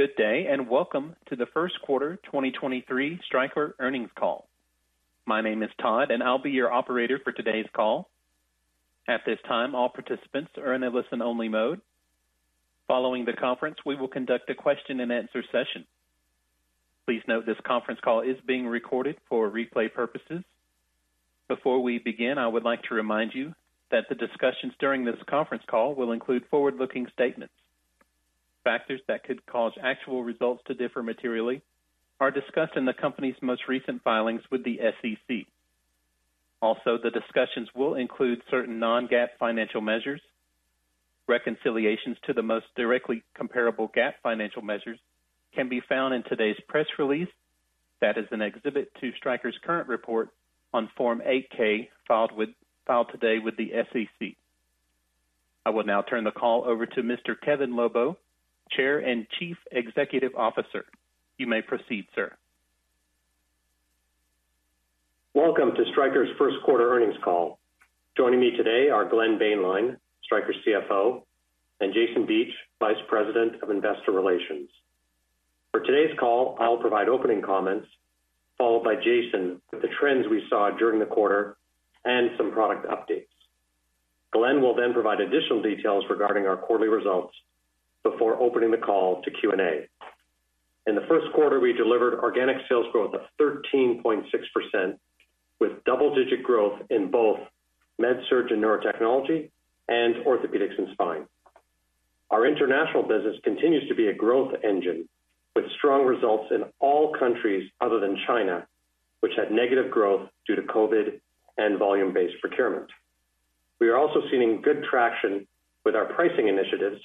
Good day. Welcome to the first quarter 2023 Stryker earnings call. My name is Todd, and I'll be your operator for today's call. At this time, all participants are in a listen-only mode. Following the conference, we will conduct a question-and-answer session. Please note this conference call is being recorded for replay purposes. Before we begin, I would like to remind you that the discussions during this conference call will include forward-looking statements. Factors that could cause actual results to differ materially are discussed in the company's most recent filings with the SEC. The discussions will include certain non-GAAP financial measures. Reconciliations to the most directly comparable GAAP financial measures can be found in today's press release. That is an exhibit to Stryker's current report on Form 8-K filed today with the SEC. I will now turn the call over to Mr. Kevin Lobo, Chair and Chief Executive Officer. You may proceed, sir. Welcome to Stryker's first quarter earnings call. Joining me today are Glenn Boehnlein, Stryker CFO, and Jason Beach, Vice President of Investor Relations. For today's call, I will provide opening comments, followed by Jason with the trends we saw during the quarter and some product updates. Glenn will then provide additional details regarding our quarterly results before opening the call to Q&A. In the first quarter, we delivered organic sales growth of 13.6%, with double-digit growth in both MedSurg and Neurotechnology and Orthopaedics and Spine. Our international business continues to be a growth engine with strong results in all countries other than China, which had negative growth due to COVID and volume-based procurement. We are also seeing good traction with our pricing initiatives,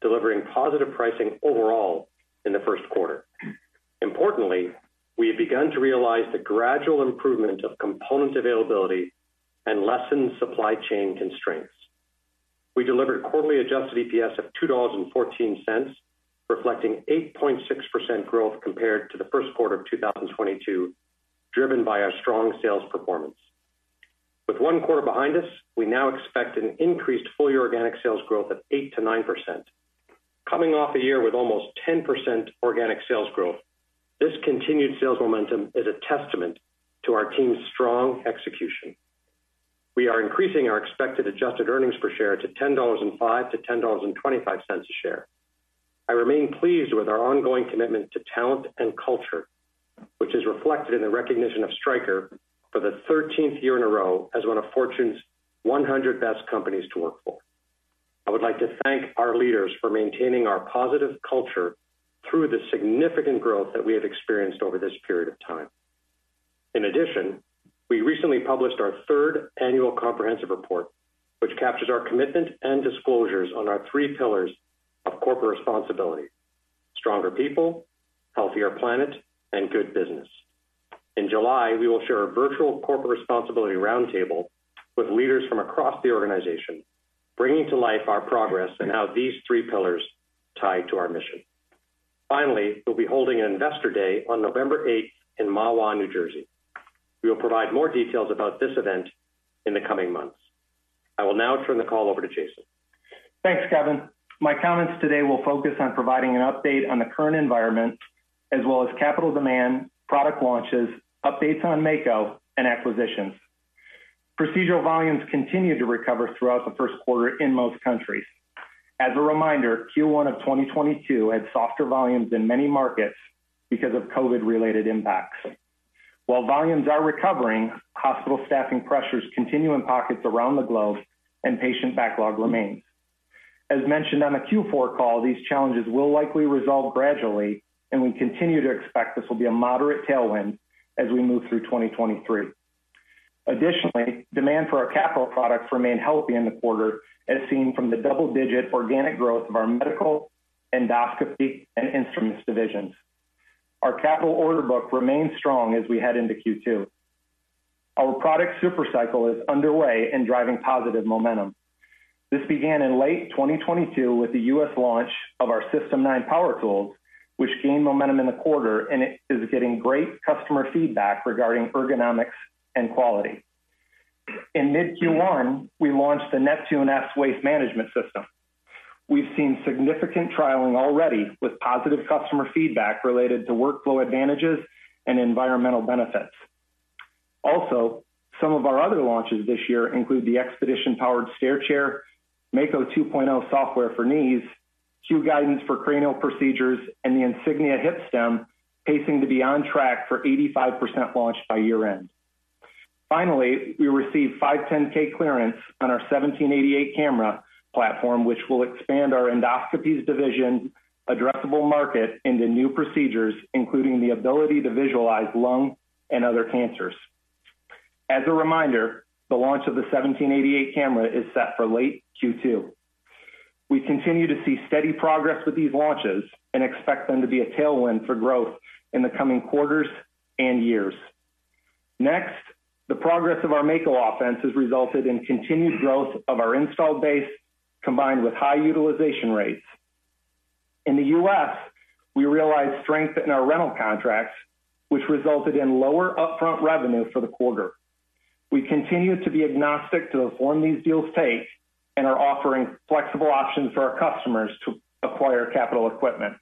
delivering positive pricing overall in the first quarter. Importantly, we have begun to realize the gradual improvement of component availability and lessened supply chain constraints. We delivered quarterly adjusted EPS of $2.14, reflecting 8.6% growth compared to the first quarter of 2022, driven by our strong sales performance. With one quarter behind us, we now expect an increased full-year organic sales growth of 8%-9%. Coming off a year with almost 10% organic sales growth, this continued sales momentum is a testament to our team's strong execution. We are increasing our expected adjusted earnings per share to $10.05 to $10.25 a share. I remain pleased with our ongoing commitment to talent and culture, which is reflected in the recognition of Stryker for the 13th year in a row as one of Fortune's 100 best companies to work for. I would like to thank our leaders for maintaining our positive culture through the significant growth that we have experienced over this period of time. In addition, we recently published our third annual comprehensive report, which captures our commitment and disclosures on our three pillars of corporate responsibility: Stronger People, Healthier Planet, and Good Business. In July, we will share a virtual corporate responsibility roundtable with leaders from across the organization, bringing to life our progress and how these three pillars tie to our mission. Finally, we'll be holding an Investor Day on November 8th in Mahwah, New Jersey. We will provide more details about this event in the coming months. I will now turn the call over to Jason. Thanks, Kevin. My comments today will focus on providing an update on the current environment as well as capital demand, product launches, updates on Mako, and acquisitions. Procedural volumes continued to recover throughout the first quarter in most countries. As a reminder, Q1 of 2022 had softer volumes in many markets because of COVID-related impacts. While volumes are recovering, hospital staffing pressures continue in pockets around the globe, and patient backlog remains. As mentioned on the Q4 call, these challenges will likely resolve gradually, and we continue to expect this will be a moderate tailwind as we move through 2023. Additionally, demand for our capital products remained healthy in the quarter, as seen from the double-digit organic growth of our Medical, Endoscopy, and Instruments divisions. Our capital order book remains strong as we head into Q2. Our product super cycle is underway and driving positive momentum. This began in late 2022 with the U.S. launch of our System 9 power tools, which gained momentum in the quarter, and it is getting great customer feedback regarding ergonomics and quality. In mid Q1, we launched the Neptune S Waste Management System. We've seen significant trialing already with positive customer feedback related to workflow advantages and environmental benefits. Also, some of our other launches this year include the Xpedition powered stair chair, Mako Total Knee 2.0 software for knees, Q Guidance for cranial procedures, and the Insignia hip stem, pacing to be on track for 85% launch by year-end. Finally, we received 510(k) clearance on our 1788 Camera Platform, which will expand our Endoscopy division addressable market into new procedures, including the ability to visualize lung and other cancers. As a reminder, the launch of the 1788 Camera is set for late Q2. We continue to see steady progress with these launches and expect them to be a tailwind for growth in the coming quarters and years. The progress of our Mako offense has resulted in continued growth of our installed base combined with high utilization rates. In the U.S., we realized strength in our rental contracts, which resulted in lower upfront revenue for the quarter. We continue to be agnostic to the form these deals take and are offering flexible options for our customers to acquire capital equipment.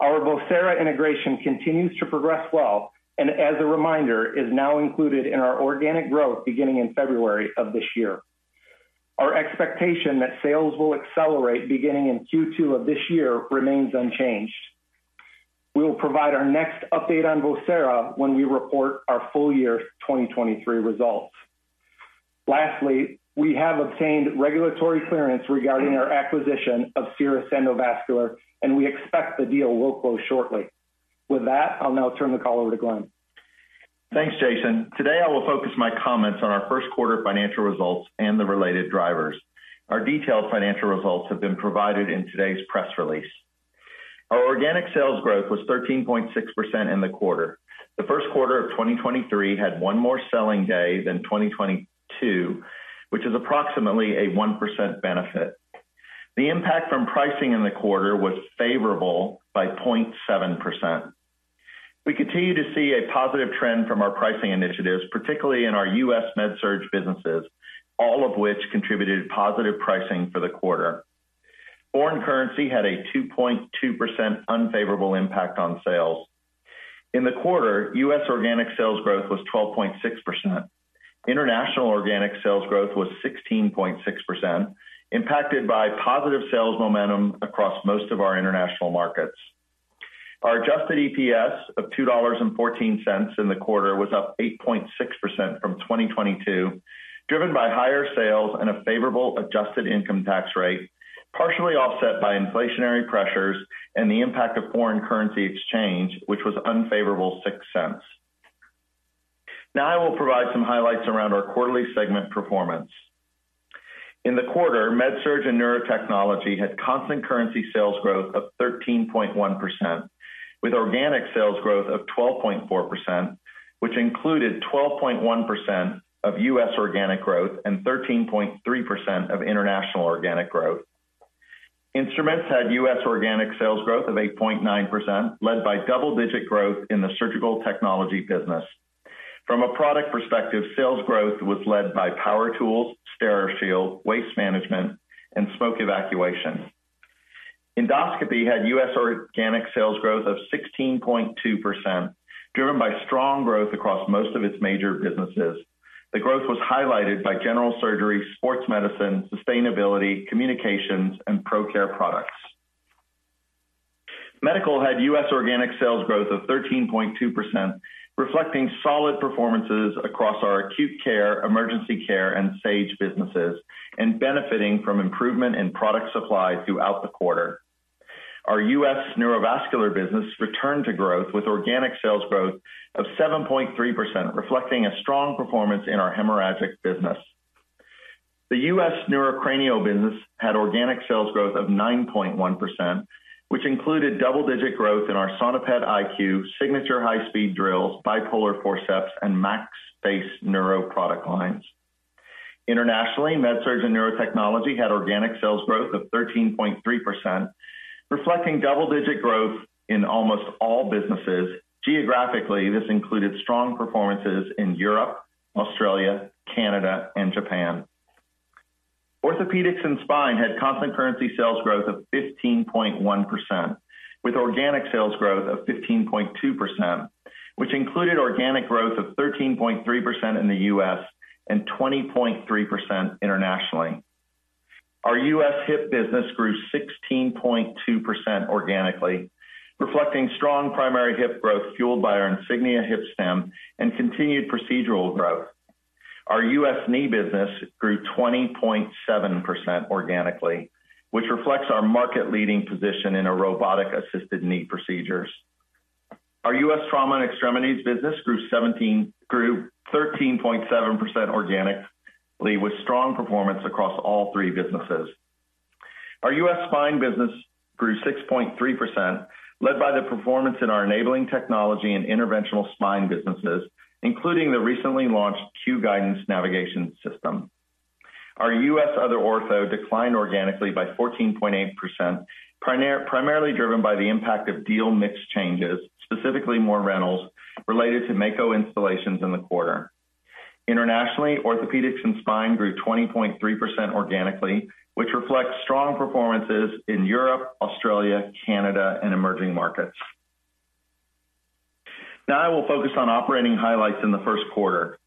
Our Vocera integration continues to progress well and as a reminder, is now included in our organic growth beginning in February of this year. Our expectation that sales will accelerate beginning in Q2 of this year remains unchanged. We will provide our next update on Vocera when we report our full year 2023 results. Lastly, we have obtained regulatory clearance regarding our acquisition of Cerus Endovascular, and we expect the deal will close shortly. With that, I'll now turn the call over to Glenn. Thanks, Jason. Today, I will focus my comments on our first quarter financial results and the related drivers. Our detailed financial results have been provided in today's press release. Our organic sales growth was 13.6% in the quarter. The first quarter of 2023 had one more selling day than 2022, which is approximately a 1% benefit. The impact from pricing in the quarter was favorable by 0.7%. We continue to see a positive trend from our pricing initiatives, particularly in our U.S. MedSurg businesses, all of which contributed positive pricing for the quarter. Foreign currency had a 2.2% unfavorable impact on sales. In the quarter, U.S. organic sales growth was 12.6%. International organic sales growth was 16.6%, impacted by positive sales momentum across most of our international markets. Our adjusted EPS of $2.14 in the quarter was up 8.6% from 2022, driven by higher sales and a favorable adjusted income tax rate, partially offset by inflationary pressures and the impact of foreign currency exchange, which was unfavorable $0.06. I will provide some highlights around our quarterly segment performance. In the quarter, MedSurg and Neurotechnology had constant currency sales growth of 13.1%, with organic sales growth of 12.4%, which included 12.1% of U.S. organic growth and 13.3% of international organic growth. Instruments had U.S. organic sales growth of 8.9%, led by double-digit growth in the surgical technology business. From a product perspective, sales growth was led by power tools, Steri-Shield, waste management, and smoke evacuation. Endoscopy had U.S. organic sales growth of 16.2%, driven by strong growth across most of its major businesses. The growth was highlighted by general surgery, sports medicine, sustainability, communications, and ProCare products. Medical had U.S. organic sales growth of 13.2%, reflecting solid performances across our Acute Care, Emergency Care, and Sage businesses, and benefiting from improvement in product supply throughout the quarter. Our U.S. neurovascular business returned to growth with organic sales growth of 7.3%, reflecting a strong performance in our hemorrhagic business. The U.S. neurocranial business had organic sales growth of 9.1%, which included double-digit growth in our Sonopet iQ, signature high-speed drills, bipolar forceps, and MaxFace neuro product lines. Internationally, MedSurg and Neurotechnology had organic sales growth of 13.3%, reflecting double-digit growth in almost all businesses. Geographically, this included strong performances in Europe, Australia, Canada, and Japan. Orthopaedics and Spine had constant currency sales growth of 15.1%, with organic sales growth of 15.2%, which included organic growth of 13.3% in the U.S. and 20.3% internationally. Our U.S. hip business grew 16.2% organically, reflecting strong primary hip growth fueled by our Insignia hip stem and continued procedural growth. Our U.S. knee business grew 20.7% organically, which reflects our market-leading position in a robotic-assisted knee procedures. Our U.S. trauma and extremities business grew 13.7% organically with strong performance across all three businesses. Our U.S. spine business grew 6.3%, led by the performance in our enabling technology and interventional spine businesses, including the recently launched Q Guidance navigation system. Our U.S. other ortho declined organically by 14.8%, primarily driven by the impact of deal mix changes, specifically more rentals related to Mako installations in the quarter. Internationally, Orthopaedics and Spine grew 20.3% organically, which reflects strong performances in Europe, Australia, Canada, and emerging markets. I will focus on operating highlights in the first quarter.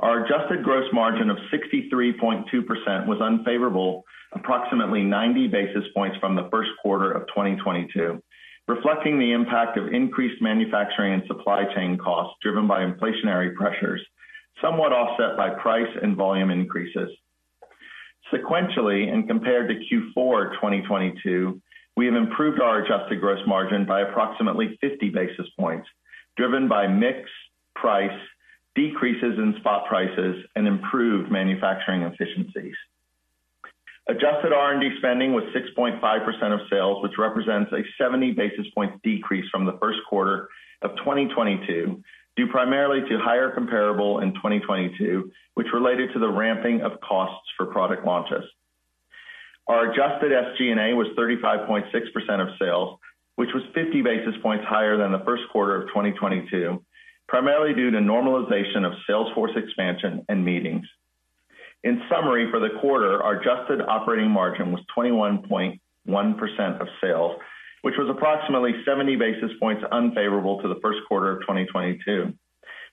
Our adjusted gross margin of 63.2% was unfavorable approximately 90 basis points from the first quarter of 2022, reflecting the impact of increased manufacturing and supply chain costs driven by inflationary pressures, somewhat offset by price and volume increases. Sequentially and compared to Q4 2022, we have improved our adjusted gross margin by approximately 50 basis points driven by mix, price, decreases in spot prices, and improved manufacturing efficiencies. Adjusted R&D spending was 6.5% of sales, which represents a 70 basis points decrease from the first quarter of 2022, due primarily to higher comparable in 2022, which related to the ramping of costs for product launches. Our adjusted SG&A was 35.6% of sales, which was 50 basis points higher than the first quarter of 2022, primarily due to normalization of sales force expansion and meetings. In summary, for the quarter, our adjusted operating margin was 21.1% of sales, which was approximately 70 basis points unfavorable to the first quarter of 2022.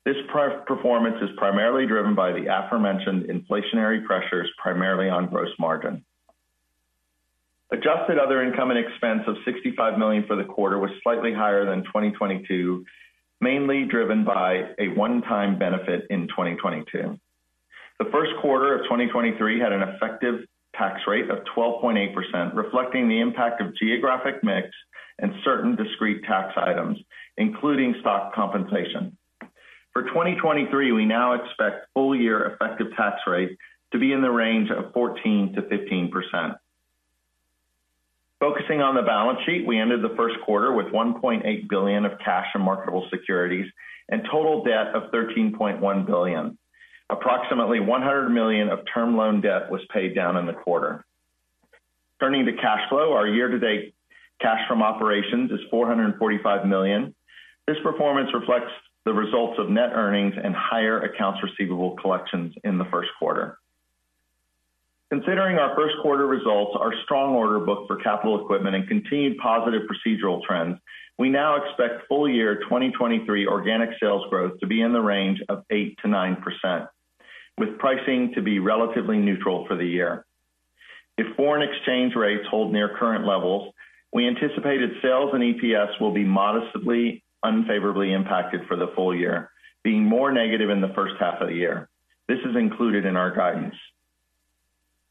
This per- performance is primarily driven by the aforementioned inflationary pressures, primarily on gross margin. Adjusted other income and expense of $65 million for the quarter was slightly higher than 2022, mainly driven by a one-time benefit in 2022. The first quarter of 2023 had an effective tax rate of 12.8%, reflecting the impact of geographic mix and certain discrete tax items, including stock compensation. For 2023, we now expect full year effective tax rate to be in the range of 14%-15%. Focusing on the balance sheet, we ended the first quarter with $1.8 billion of cash and marketable securities and total debt of $13.1 billion. Approximately $100 million of term loan debt was paid down in the quarter. Turning to cash flow, our year-to-date cash from operations is $445 million. This performance reflects the results of net earnings and higher accounts receivable collections in the first quarter. Considering our first quarter results, our strong order book for capital equipment and continued positive procedural trends, we now expect full year 2023 organic sales growth to be in the range of 8%-9%, with pricing to be relatively neutral for the year. If foreign exchange rates hold near current levels, we anticipate that sales and EPS will be modestly unfavorably impacted for the full year, being more negative in the first half of the year. This is included in our guidance.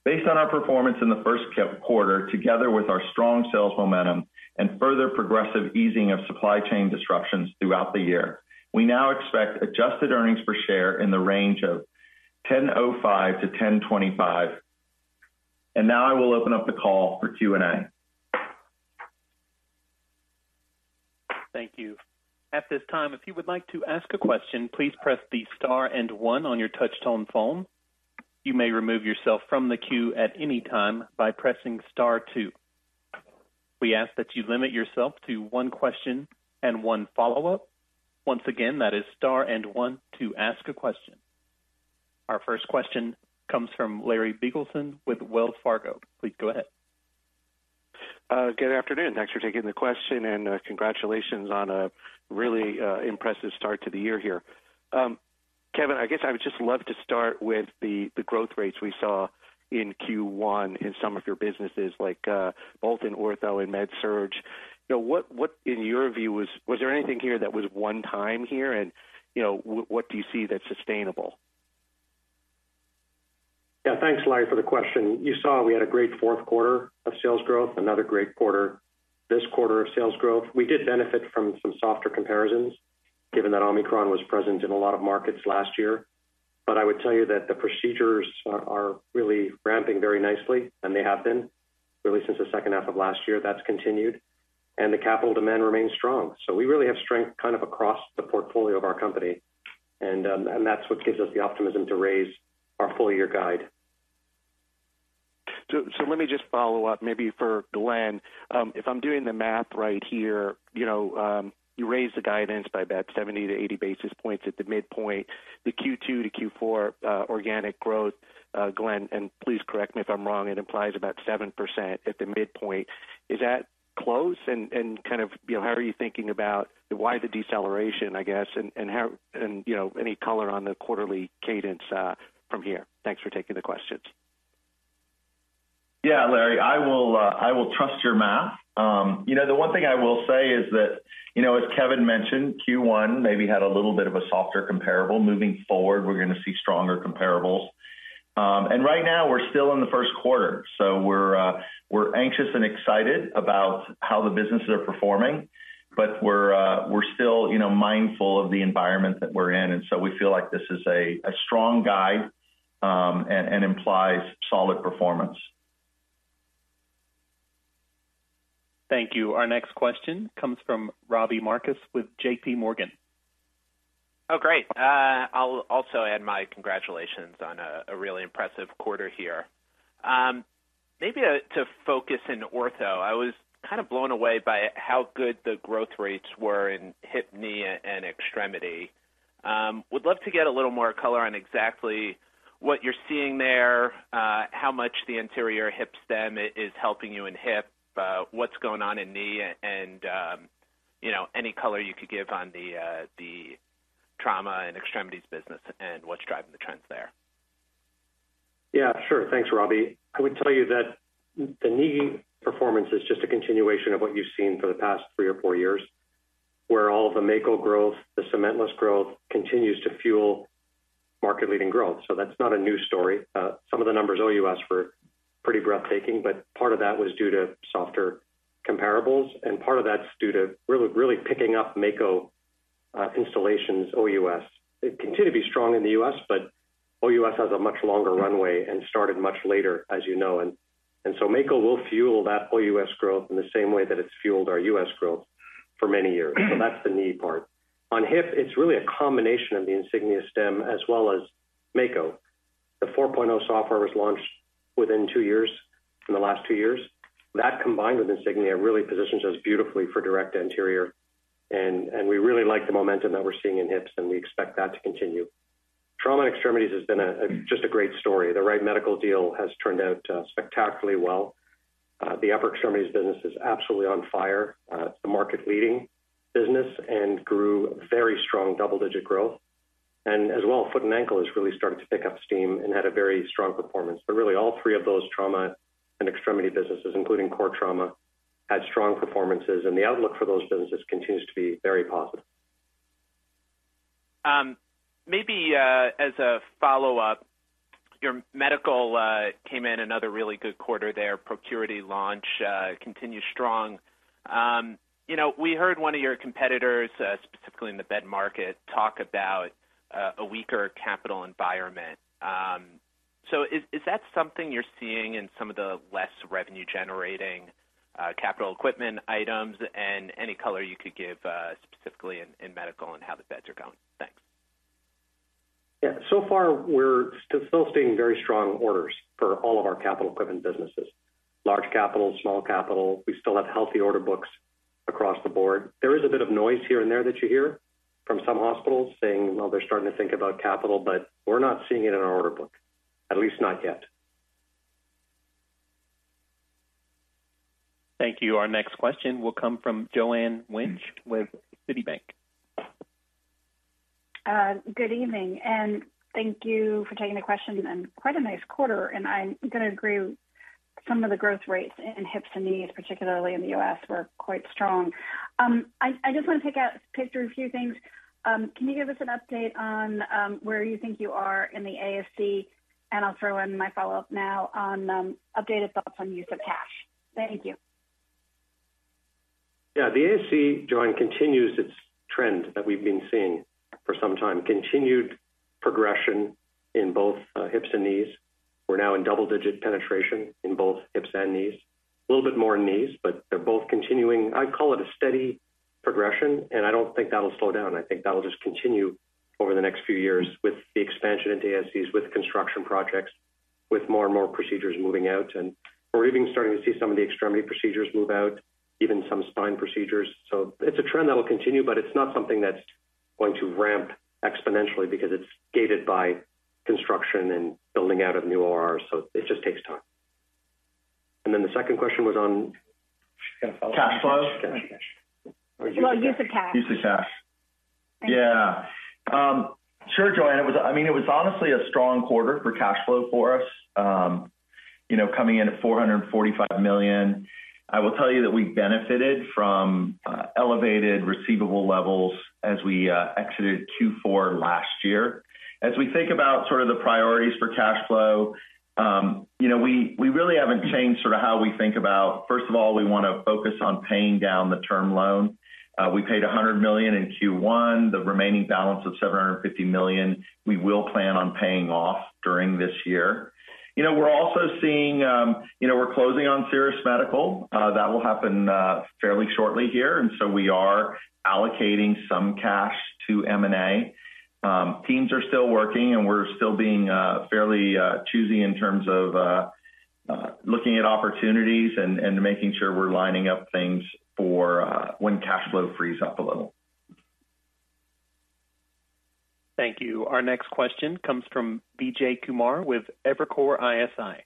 Based on our performance in the first quarter, together with our strong sales momentum and further progressive easing of supply chain disruptions throughout the year, we now expect adjusted earnings per share in the range of $10.05-$10.25. Now I will open up the call for Q&A. Thank you. At this time, if you would like to ask a question, please press the star and one on your touch-tone phone. You may remove yourself from the queue at any time by pressing star two. We ask that you limit yourself to one question and one follow-up. Once again, that is star and one to ask a question. Our first question comes from Larry Biegelsen with Wells Fargo. Please go ahead. Good afternoon. Thanks for taking the question, and congratulations on a really impressive start to the year here. Kevin, I guess I would just love to start with the growth rates we saw in Q1 in some of your businesses like both in Ortho and MedSurg. You know, what in your view was there anything here that was one time here? You know, what do you see that's sustainable? Yeah. Thanks, Larry, for the question. You saw we had a great fourth quarter of sales growth, another great quarter this quarter of sales growth. We did benefit from some softer comparisons given that Omicron was present in a lot of markets last year. I would tell you that the procedures are really ramping very nicely, and they have been really since the second half of last year. That's continued. The capital demand remains strong. We really have strength kind of across the portfolio of our company. That's what gives us the optimism to raise our full year guide. Let me just follow-up maybe for Glenn. If I'm doing the math right here, you know, you raised the guidance by about 70 to 80 basis points at the midpoint. The Q2 to Q4 organic growth, Glenn, and please correct me if I'm wrong, it implies about 7% at the midpoint. Is that close? Kind of, you know, how are you thinking about why the deceleration, I guess? How, and, you know, any color on the quarterly cadence from here. Thanks for taking the questions. Larry, I will trust your math. You know, the one thing I will say is that, you know, as Kevin mentioned, Q1 maybe had a little bit of a softer comparable. Moving forward, we're gonna see stronger comparables. Right now we're still in the first quarter, we're anxious and excited about how the businesses are performing, but we're still, you know, mindful of the environment that we're in. We feel like this is a strong guide and implies solid performance. Thank you. Our next question comes from Robbie Marcus with JPMorgan. So great, I'll also add my congratulations on a really impressive quarter here. Maybe to focus in Ortho, I was kind of blown away by how good the growth rates were in hip, knee, and extremity. Would love to get a little more color on exactly what you're seeing there, how much the anterior hip stem is helping you in hip, what's going on in knee, and you know, any color you could give on the trauma and extremities business and what's driving the trends there Yeah, sure. Thanks, Robbie. I would tell you that the knee performance is just a continuation of what you've seen for the past three or four years, where all of the Mako growth, the cementless growth continues to fuel market-leading growth. That's not a new story. Some of the numbers OUS were pretty breathtaking, but part of that was due to softer comparables, and part of that's due to really picking up Mako installations OUS. They continue to be strong in the U.S., but OUS has a much longer runway and started much later, as you know. Mako will fuel that OUS growth in the same way that it's fueled our U.S. growth. For many years. That's the knee part. On hip, it's really a combination of the Insignia stem as well as Mako. The 4.0 software was launched within two years, in the last 2 years. That combined with Insignia really positions us beautifully for direct anterior, and we really like the momentum that we're seeing in hips, we expect that to continue. Trauma extremities has been just a great story. The Wright Medical deal has turned out spectacularly well. The upper extremities business is absolutely on fire. It's a market-leading business and grew very strong double-digit growth. As well, foot and ankle is really starting to pick up steam and had a very strong performance. Really all three of those trauma and extremity businesses, including core trauma, had strong performances, and the outlook for those businesses continues to be very positive. Maybe, as a follow-up, your Medical came in another really good quarter there. ProCuity launch continues strong. You know, we heard one of your competitors, specifically in the bed market, talk about a weaker capital environment. Is that something you're seeing in some of the less revenue-generating capital equipment items and any color you could give specifically in Medical and how the beds are going? Thanks. Yeah. So far, we're still seeing very strong orders for all of our capital equipment businesses. Large capital, small capital. We still have healthy order books across the board. There is a bit of noise here and there that you hear from some hospitals saying, well, they're starting to think about capital, but we're not seeing it in our order book, at least not yet. Thank you. Our next question will come from Joanne Wuensch with Citi. Good evening, thank you for taking the question, and quite a nice quarter. I'm gonna agree, some of the growth rates in hips and knees, particularly in the U.S., were quite strong. I just want to pick through a few things. Can you give us an update on where you think you are in the ASC? I'll throw in my follow-up now on updated thoughts on use of cash. Thank you. Yeah. The ASC, Joanne, continues its trend that we've been seeing for some time. Continued progression in both hips and knees. We're now in double-digit penetration in both hips and knees. A little bit more in knees, but they're both continuing. I'd call it a steady progression, and I don't think that'll slow down. I think that'll just continue over the next few years with the expansion into ASCs, with construction projects, with more and more procedures moving out. We're even starting to see some of the extremity procedures move out, even some spine procedures. It's a trend that will continue, but it's not something that's going to ramp exponentially because it's gated by construction and building out of new ORs, so it just takes time. Then the second question was on... Cash flow. Well, use of cash. Use of cash. Yeah. Sure, Joanne. I mean, it was honestly a strong quarter for cash flow for us, you know, coming in at $445 million. I will tell you that we benefited from elevated receivable levels as we exited Q4 last year. As we think about sort of the priorities for cash flow, you know, we really haven't changed sort of how we think about, first of all, we want to focus on paying down the term loan. We paid $100 million in Q1. The remaining balance of $750 million, we will plan on paying off during this year. You know, we're also seeing, you know, we're closing on Cerus Endovascular. That will happen fairly shortly here. We are allocating some cash to M&A. Teams are still working, and we're still being fairly choosy in terms of looking at opportunities and making sure we're lining up things for when cash flow frees up a little. Thank you. Our next question comes from Vijay Kumar with Evercore ISI.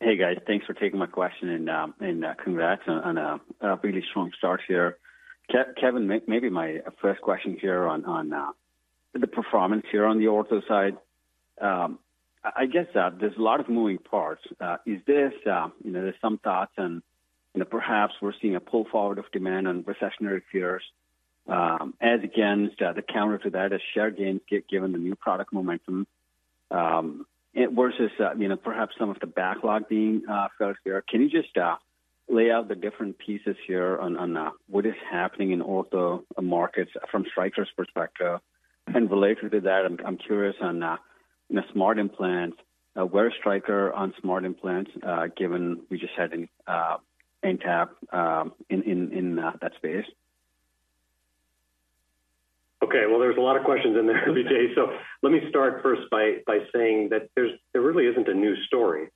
Hey, guys. Thanks for taking my question and congrats on a really strong start here. Kevin, maybe my first question here on the performance here on the Ortho side. I guess that there's a lot of moving parts. Is this, you know, there's some thoughts and, you know, perhaps we're seeing a pull forward of demand and recessionary fears, as against the counter to that is share gains given the new product momentum, it versus, you know, perhaps some of the backlog being felt here? Can you just lay out the different pieces here on what is happening in Ortho markets from Stryker's perspective? Related to that, I'm curious on, you know, smart implants. Where's Stryker on smart implants, given we just had an NTAP in that space? Well, there's a lot of questions in there, Vijay. Let me start first by saying that there really isn't a new story,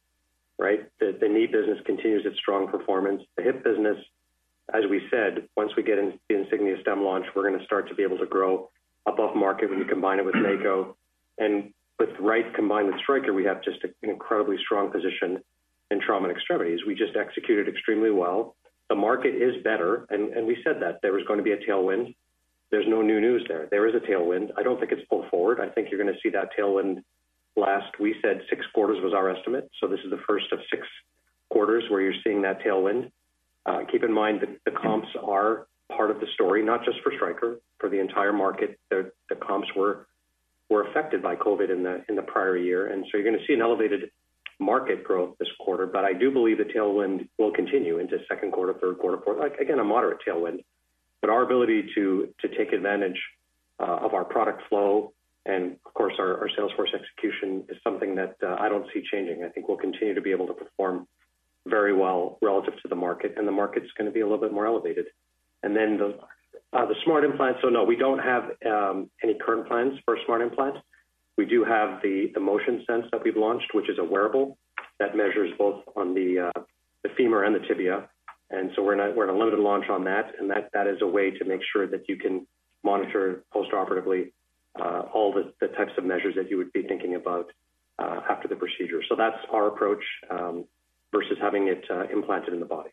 right? The knee business continues its strong performance. The hip business, as we said, once we get in the Insignia stem launch, we're going to start to be able to grow above market when you combine it with Mako. With Wright Medical combined with Stryker, we have just an incredibly strong position in trauma and extremities. We just executed extremely well. The market is better, and we said that. There was going to be a tailwind. There's no new news there. There is a tailwind. I don't think it's pulled forward. I think you're going to see that tailwind last. We said 6 quarters was our estimate, this is the first of six quarters where you're seeing that tailwind. Keep in mind that the comps are part of the story, not just for Stryker, for the entire market. The comps were affected by COVID in the prior year. You're going to see an elevated market growth this quarter. I do believe the tailwind will continue into second quarter, third quarter, fourth. Again, a moderate tailwind. Our ability to take advantage of our product flow and of course, our sales force execution is something that I don't see changing. I think we'll continue to be able to perform very well relative to the market, and the market's gonna be a little bit more elevated. The smart implants. No, we don't have any current plans for smart implants. We do have the MotionSense that we've launched, which is a wearable that measures both on the femur and the tibia. We're in a limited launch on that, and that is a way to make sure that you can monitor post-operatively, all the types of measures that you would be thinking about after the procedure. That's our approach versus having it implanted in the body.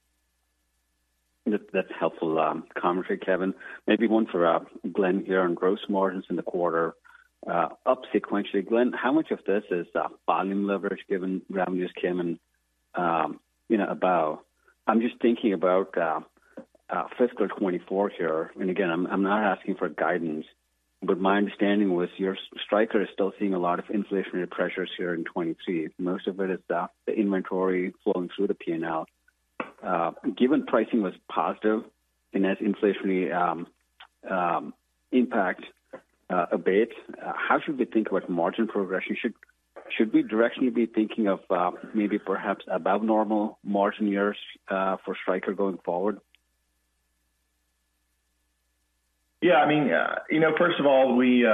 That's helpful commentary, Kevin. Maybe one for Glenn here on gross margins in the quarter, up sequentially. Glenn, how much of this is volume leverage given revenues came in, you know, about? I'm just thinking about fiscal 2024 here. Again, I'm not asking for guidance, but my understanding was Stryker is still seeing a lot of inflationary pressures here in 2022. Most of it is the inventory flowing through the P&L. Given pricing was positive and as inflationary impact abates, how should we think about margin progression? Should we directly be thinking of maybe perhaps above normal margin years for Stryker going forward? Yeah, I mean, you know, first of all, we, you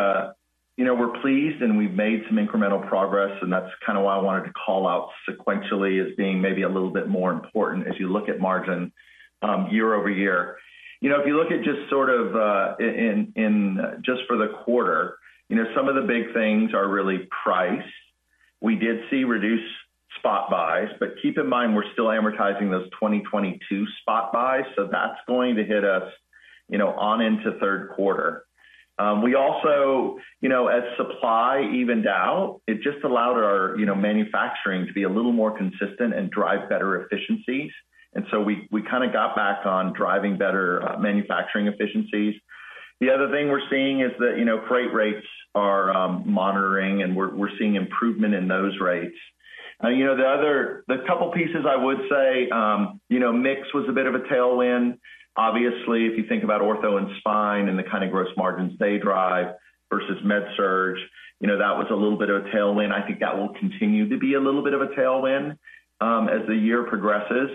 know, we're pleased and we've made some incremental progress, and that's kind of why I wanted to call out sequentially as being maybe a little bit more important as you look at margin, year over year. You know, if you look at just sort of, just for the quarter, you know, some of the big things are really price. We did see reduced spot buys, but keep in mind, we're still amortizing those 2022 spot buys, so that's going to hit us, you know, on into third quarter. We also, you know, as supply evened out, it just allowed our, you know, manufacturing to be a little more consistent and drive better efficiencies. We kind of got back on driving better, manufacturing efficiencies. The other thing we're seeing is that, you know, freight rates are monitoring, and we're seeing improvement in those rates. You know, the couple pieces I would say, you know, mix was a bit of a tailwind. Obviously, if you think about ortho and spine and the kind of gross margins they drive versus MedSurg, you know, that was a little bit of a tailwind. I think that will continue to be a little bit of a tailwind as the year progresses.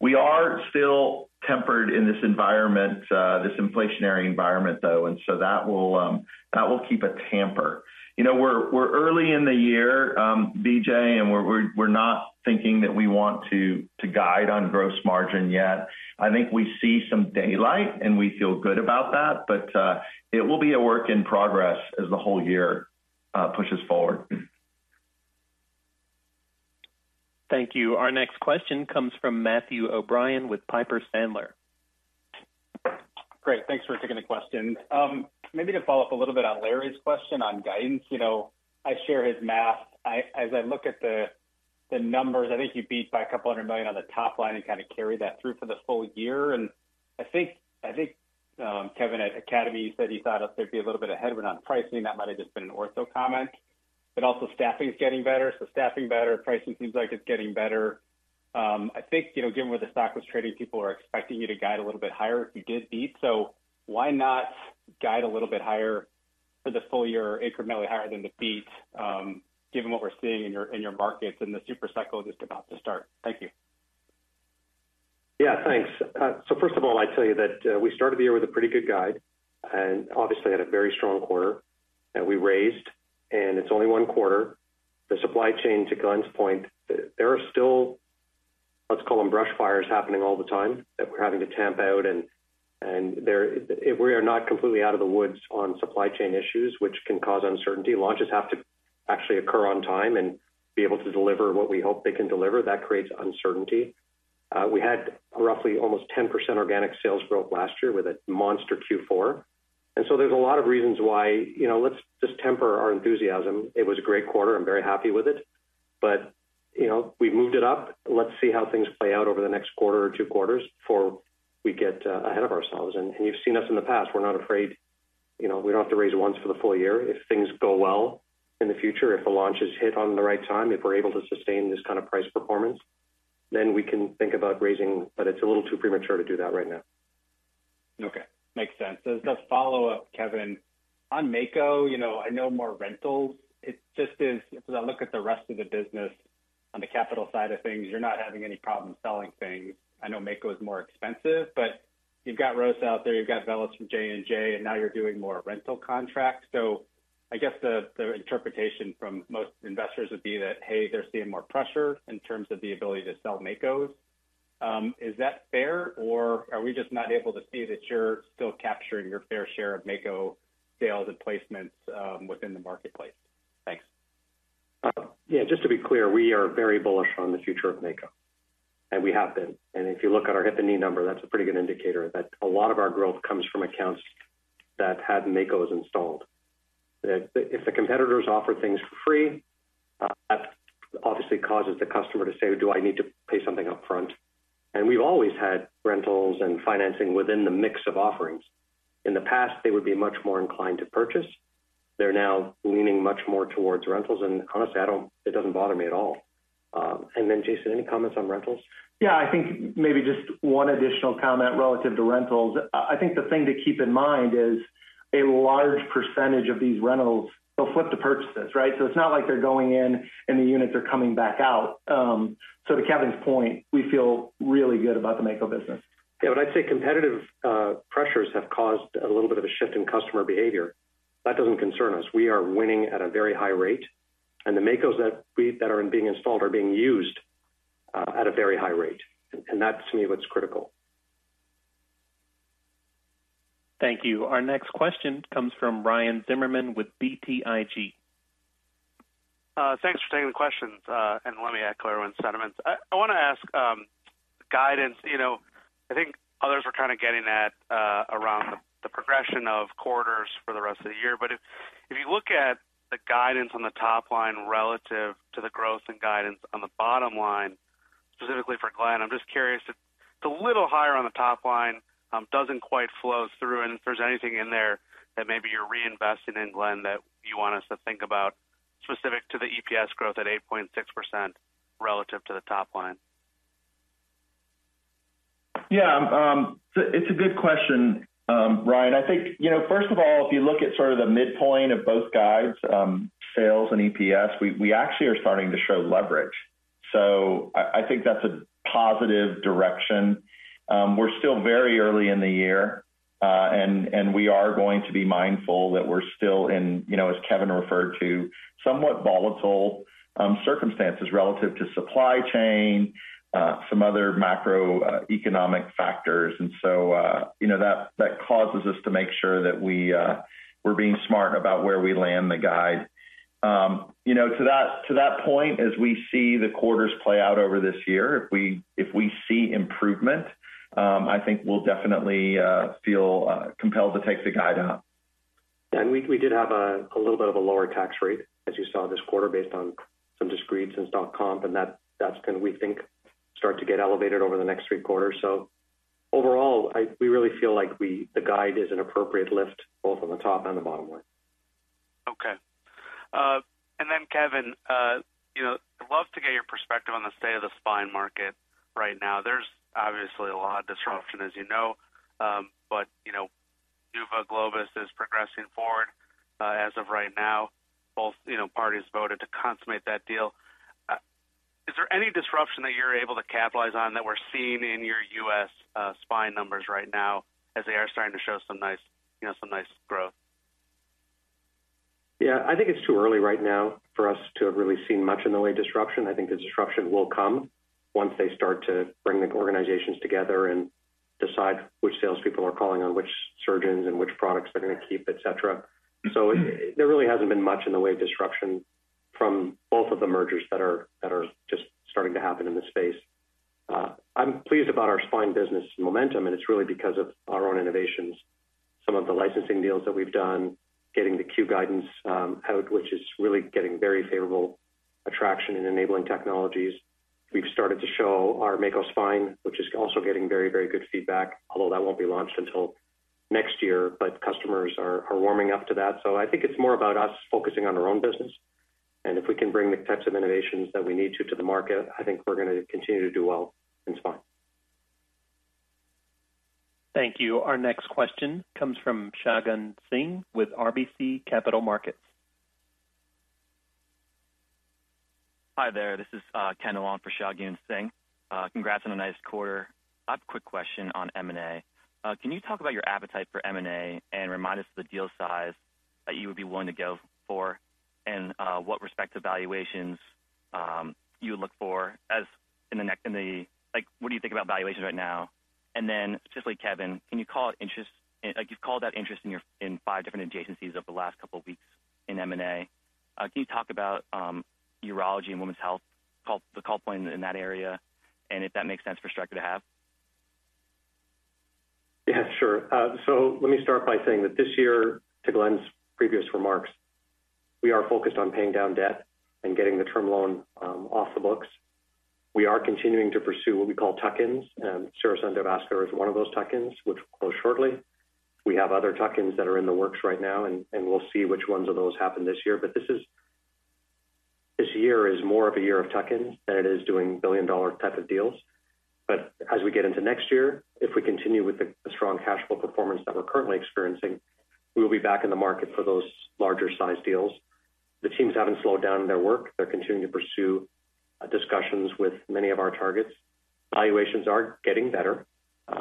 We are still tempered in this environment, this inflationary environment, though. That will keep a tamper. You know, we're early in the year, Vijay, and we're not thinking that we want to guide on gross margin yet. I think we see some daylight, and we feel good about that, but, it will be a work in progress as the whole year, pushes forward. Thank you. Our next question comes from Matthew O'Brien with Piper Sandler. Great. Thanks for taking the question. Maybe to follow-up a little bit on Larry's question on guidance. You know, I share his math. As I look at the numbers, I think you beat by $200 million on the top line and kinda carried that through for the full year. I think Kevin at Academy said he thought there'd be a little bit of headroom on pricing. That might have just been an ortho comment. Also staffing is getting better. Staffing better, pricing seems like it's getting better. I think, you know, given where the stock was trading, people are expecting you to guide a little bit higher if you did beat. Why not guide a little bit higher for the full year, incrementally higher than the beat, given what we're seeing in your markets and the super cycle just about to start? Thank you. Yeah, thanks. First of all, I'd tell you that, we started the year with a pretty good guide and obviously had a very strong quarter, and we raised, and it's only one quarter. The supply chain, to Glenn's point, there are still, let's call them brush fires happening all the time that we're having to tamp out. We are not completely out of the woods on supply chain issues which can cause uncertainty. Launches have to actually occur on time and be able to deliver what we hope they can deliver. That creates uncertainty. We had roughly almost 10% organic sales growth last year with a monster Q4. There's a lot of reasons why, you know, let's just temper our enthusiasm. It was a great quarter. I'm very happy with it. You know, we've moved it up. Let's see how things play out over the next quarter or two quarters before we get ahead of ourselves. You've seen us in the past. We're not afraid. You know, we don't have to raise once for the full year. If things go well in the future, if the launches hit on the right time, if we're able to sustain this kind of price performance, then we can think about raising. It's a little too premature to do that right now. Okay. Makes sense. As a follow-up, Kevin. On Mako, you know, I know more rentals. It just is, as I look at the rest of the business on the capital side of things, you're not having any problem selling things. I know Mako is more expensive, but you've got ROSA out there, you've got VELYS from J&J, and now you're doing more rental contracts. I guess the interpretation from most investors would be that, hey, they're seeing more pressure in terms of the ability to sell Makos. Is that fair, or are we just not able to see that you're still capturing your fair share of Mako sales and placements within the marketplace? Thanks. Yeah, just to be clear, we are very bullish on the future of Mako, we have been. If you look at our hip and knee number, that's a pretty good indicator that a lot of our growth comes from accounts that had Makos installed. If the competitors offer things for free, that obviously causes the customer to say, "Do I need to pay something up front?" We've always had rentals and financing within the mix of offerings. In the past, they would be much more inclined to purchase. They're now leaning much more towards rentals, and honestly, it doesn't bother me at all. Then Jason, any comments on rentals? Yeah, I think maybe just one additional comment relative to rentals. I think the thing to keep in mind is a large percentage of these rentals, they'll flip to purchases, right? It's not like they're going in and the units are coming back out. To Kevin's point, we feel really good about the Mako business. Yeah. When I say competitive, pressures have caused a little bit of a shift in customer behavior, that doesn't concern us. We are winning at a very high rate, and the Makos that are being installed are being used, at a very high rate, and that to me is what's critical. Thank you. Our next question comes from Ryan Zimmerman with BTIG. Thanks for taking the questions. Let me clarify one of the segments. I wanna ask guidance. You know, I think others were kind of getting at around the progression of quarters for the rest of the year. If, if you look at the guidance on the top line relative to the growth and guidance on the bottom line, specifically for Glenn, I'm just curious if it's a little higher on the top line, doesn't quite flow through, and if there's anything in there that maybe you're reinvesting in, Glenn, that you want us to think about specific to the EPS growth at 8.6% relative to the top line. Yeah. It's a good question, Ryan. I think, you know, first of all, if you look at sort of the midpoint of both guides, sales and EPS, we actually are starting to show leverage. I think that's a positive direction. We're still very early in the year, and we are going to be mindful that we're still in, you know, as Kevin referred to, somewhat volatile circumstances relative to supply chain, some other macroeconomic factors. You know, that causes us to make sure that we're being smart about where we land the guide. You know, to that point, as we see the quarters play out over this year, if we see improvement, I think we'll definitely feel compelled to take the guide up. We did have a little bit of a lower tax rate as you saw this quarter based on some discretes and stock comp. That's gonna, we think, start to get elevated over the next three quarters. Overall, we really feel like the guide is an appropriate lift both on the top and the bottom line. Okay. Kevin, you know, I'd love to get your perspective on the state of the spine market right now. There's obviously a lot of disruption, as you know, but you know, NuVa, Globus is progressing forward. As of right now, both, you know, parties voted to consummate that deal. Is there any disruption that you're able to capitalize on that we're seeing in your U.S. spine numbers right now as they are starting to show some nice growth? Yeah. I think it's too early right now for us to have really seen much in the way of disruption. I think the disruption will come once they start to bring the organizations together and decide which salespeople are calling on which surgeons and which products they're gonna keep, et cetera. There really hasn't been much in the way of disruption from both of the mergers that are just starting to happen in the space. I'm pleased about our spine business momentum, it's really because of our own innovations, some of the licensing deals that we've done, getting the Q Guidance out, which is really getting very favorable attraction in enabling technologies. We've started to show our Mako Spine, which is also getting very good feedback, although that won't be launched until next year, customers are warming up to that. I think it's more about us focusing on our own business, and if we can bring the types of innovations that we need to the market, I think we're going to continue to do well in spine. Thank you. Our next question comes from Shagun Singh with RBC Capital Markets. Hi there. This is Ken Wong for Shagun Singh. Congrats on a nice quarter. I have a quick question on M&A. Can you talk about your appetite for M&A and remind us of the deal size that you would be willing to go for and what respect to valuations you look for? What do you think about valuations right now? Specifically, Kevin, like you've called out interest in five different adjacencies over the last couple of weeks in M&A. Can you talk about urology and women's health, the call point in that area and if that makes sense for Stryker to have? Yeah, sure. Let me start by saying that this year, to Glenn's previous remarks, we are focused on paying down debt and getting the term loan off the books. We are continuing to pursue what we call tuck-ins, and Cerus Endovascular is one of those tuck-ins, which will close shortly. We have other tuck-ins that are in the works right now, and we'll see which ones of those happen this year. This year is more of a year of tuck-ins than it is doing billion-dollar type of deals. But as we get into next year, if we continue with the strong cash flow performance that we're currently experiencing, we'll be back in the market for those larger-sized deals. The teams haven't slowed down their work. They're continuing to pursue discussions with many of our targets. Valuations are getting better,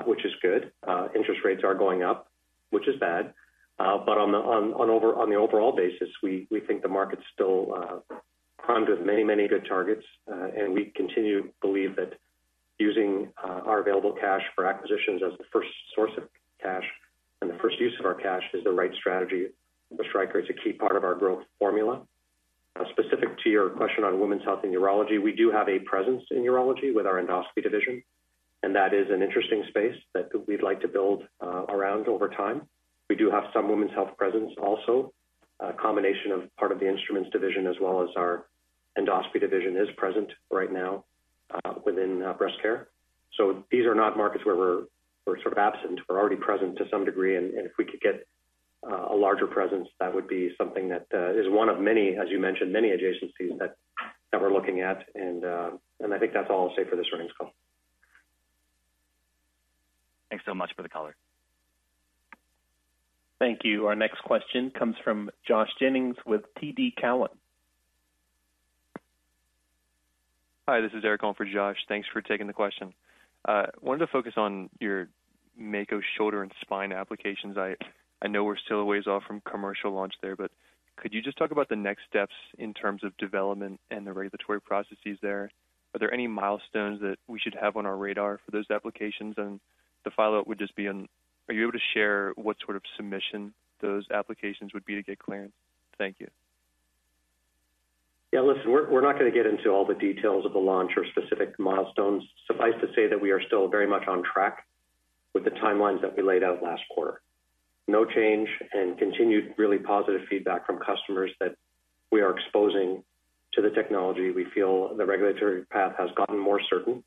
which is good. Interest rates are going up, which is bad. On the overall basis, we think the market's still primed with many, many good targets. We continue to believe that using our available cash for acquisitions as the first source of cash and the first use of our cash is the right strategy for Stryker. It's a key part of our growth formula. Specific to your question on women's health and urology, we do have a presence in urology with our Endoscopy division, and that is an interesting space that we'd like to build around over time. We do have some women's health presence also. A combination of part of the Instruments division as well as our Endoscopy division is present right now, within breast care. These are not markets where we're sort of absent. We're already present to some degree. If we could get a larger presence, that would be something that is one of many, as you mentioned, many adjacencies that we're looking at. I think that's all I'll say for this earnings call. Thanks so much for the color. Thank you. Our next question comes from Josh Jennings with TD Cowen. Hi, this is Eric calling for Josh. Thanks for taking the question. Wanted to focus on your Mako Shoulder and Spine applications. I know we're still a ways off from commercial launch there, but could you just talk about the next steps in terms of development and the regulatory processes there? Are there any milestones that we should have on our radar for those applications? The follow-up would just be on, are you able to share what sort of submission those applications would be to get clearance? Thank you. Listen, we're not gonna get into all the details of the launch or specific milestones. Suffice to say that we are still very much on track with the timelines that we laid out last quarter. No change and continued really positive feedback from customers that we are exposing to the technology. We feel the regulatory path has gotten more certain,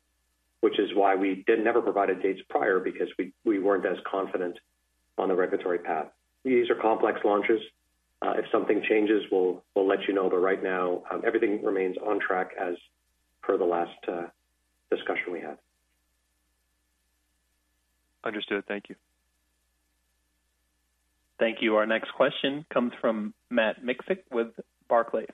which is why we did never provide a date prior because we weren't as confident on the regulatory path. These are complex launches. If something changes, we'll let you know. Right now, everything remains on track as per the last discussion we had. Understood. Thank you. Thank you. Our next question comes from Matt Miksic with Barclays.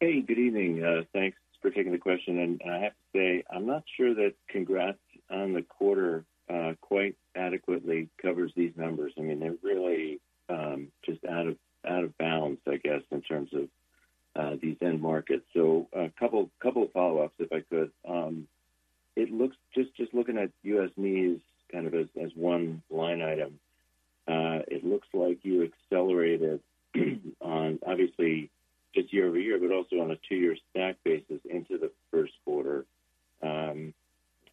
Hey, good evening. Thanks for taking the question. I have to say, I'm not sure that congrats on the quarter quite adequately covers these numbers. I mean, they're really just out of, out of bounds, I guess, in terms of these end markets. A couple of follow-ups, if I could. Just looking at U.S. knees kind of as one line item, it looks like you accelerated on obviously just year-over-year, but also on a two-year stack basis into the first quarter.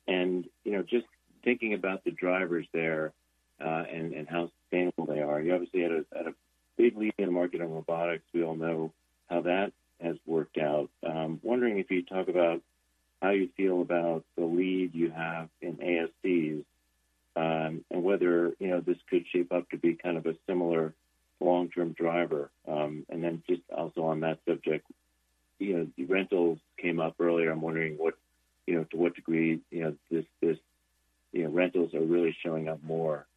You know, just thinking about the drivers there, and how sustainable they are, you obviously had a big lead in the market on robotics. We all know how that has worked out. Wondering if you'd talk about how you feel about the lead you have in ASCs, and whether, you know, this could shape up to be kind of a similar long-term driver. Just also on that subject, you know, rentals came up earlier. I'm wondering what, you know, to what degree, you know, this, you know, rentals are really showing up more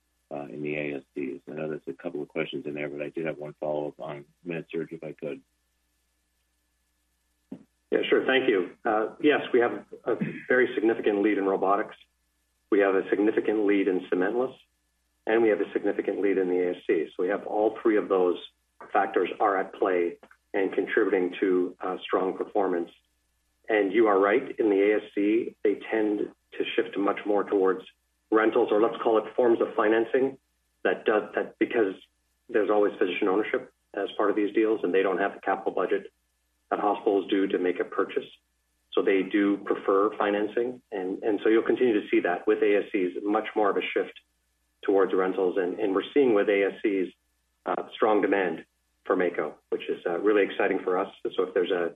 in the ASCs. I know there's a couple of questions in there, but I did have one follow-up on MedSurg, if I could. Yeah, sure. Thank you. Yes, we have a very significant lead in robotics. We have a significant lead in cementless. We have a significant lead in the ASCs. We have all three of those factors are at play and contributing to strong performance. You are right. In the ASC, they tend to shift much more towards rentals, or let's call it forms of financing because there's always physician ownership as part of these deals. They don't have the capital budget that hospitals do to make a purchase. They do prefer financing. You'll continue to see that with ASCs, much more of a shift towards rentals. We're seeing with ASCs, strong demand for Mako, which is really exciting for us. If there's a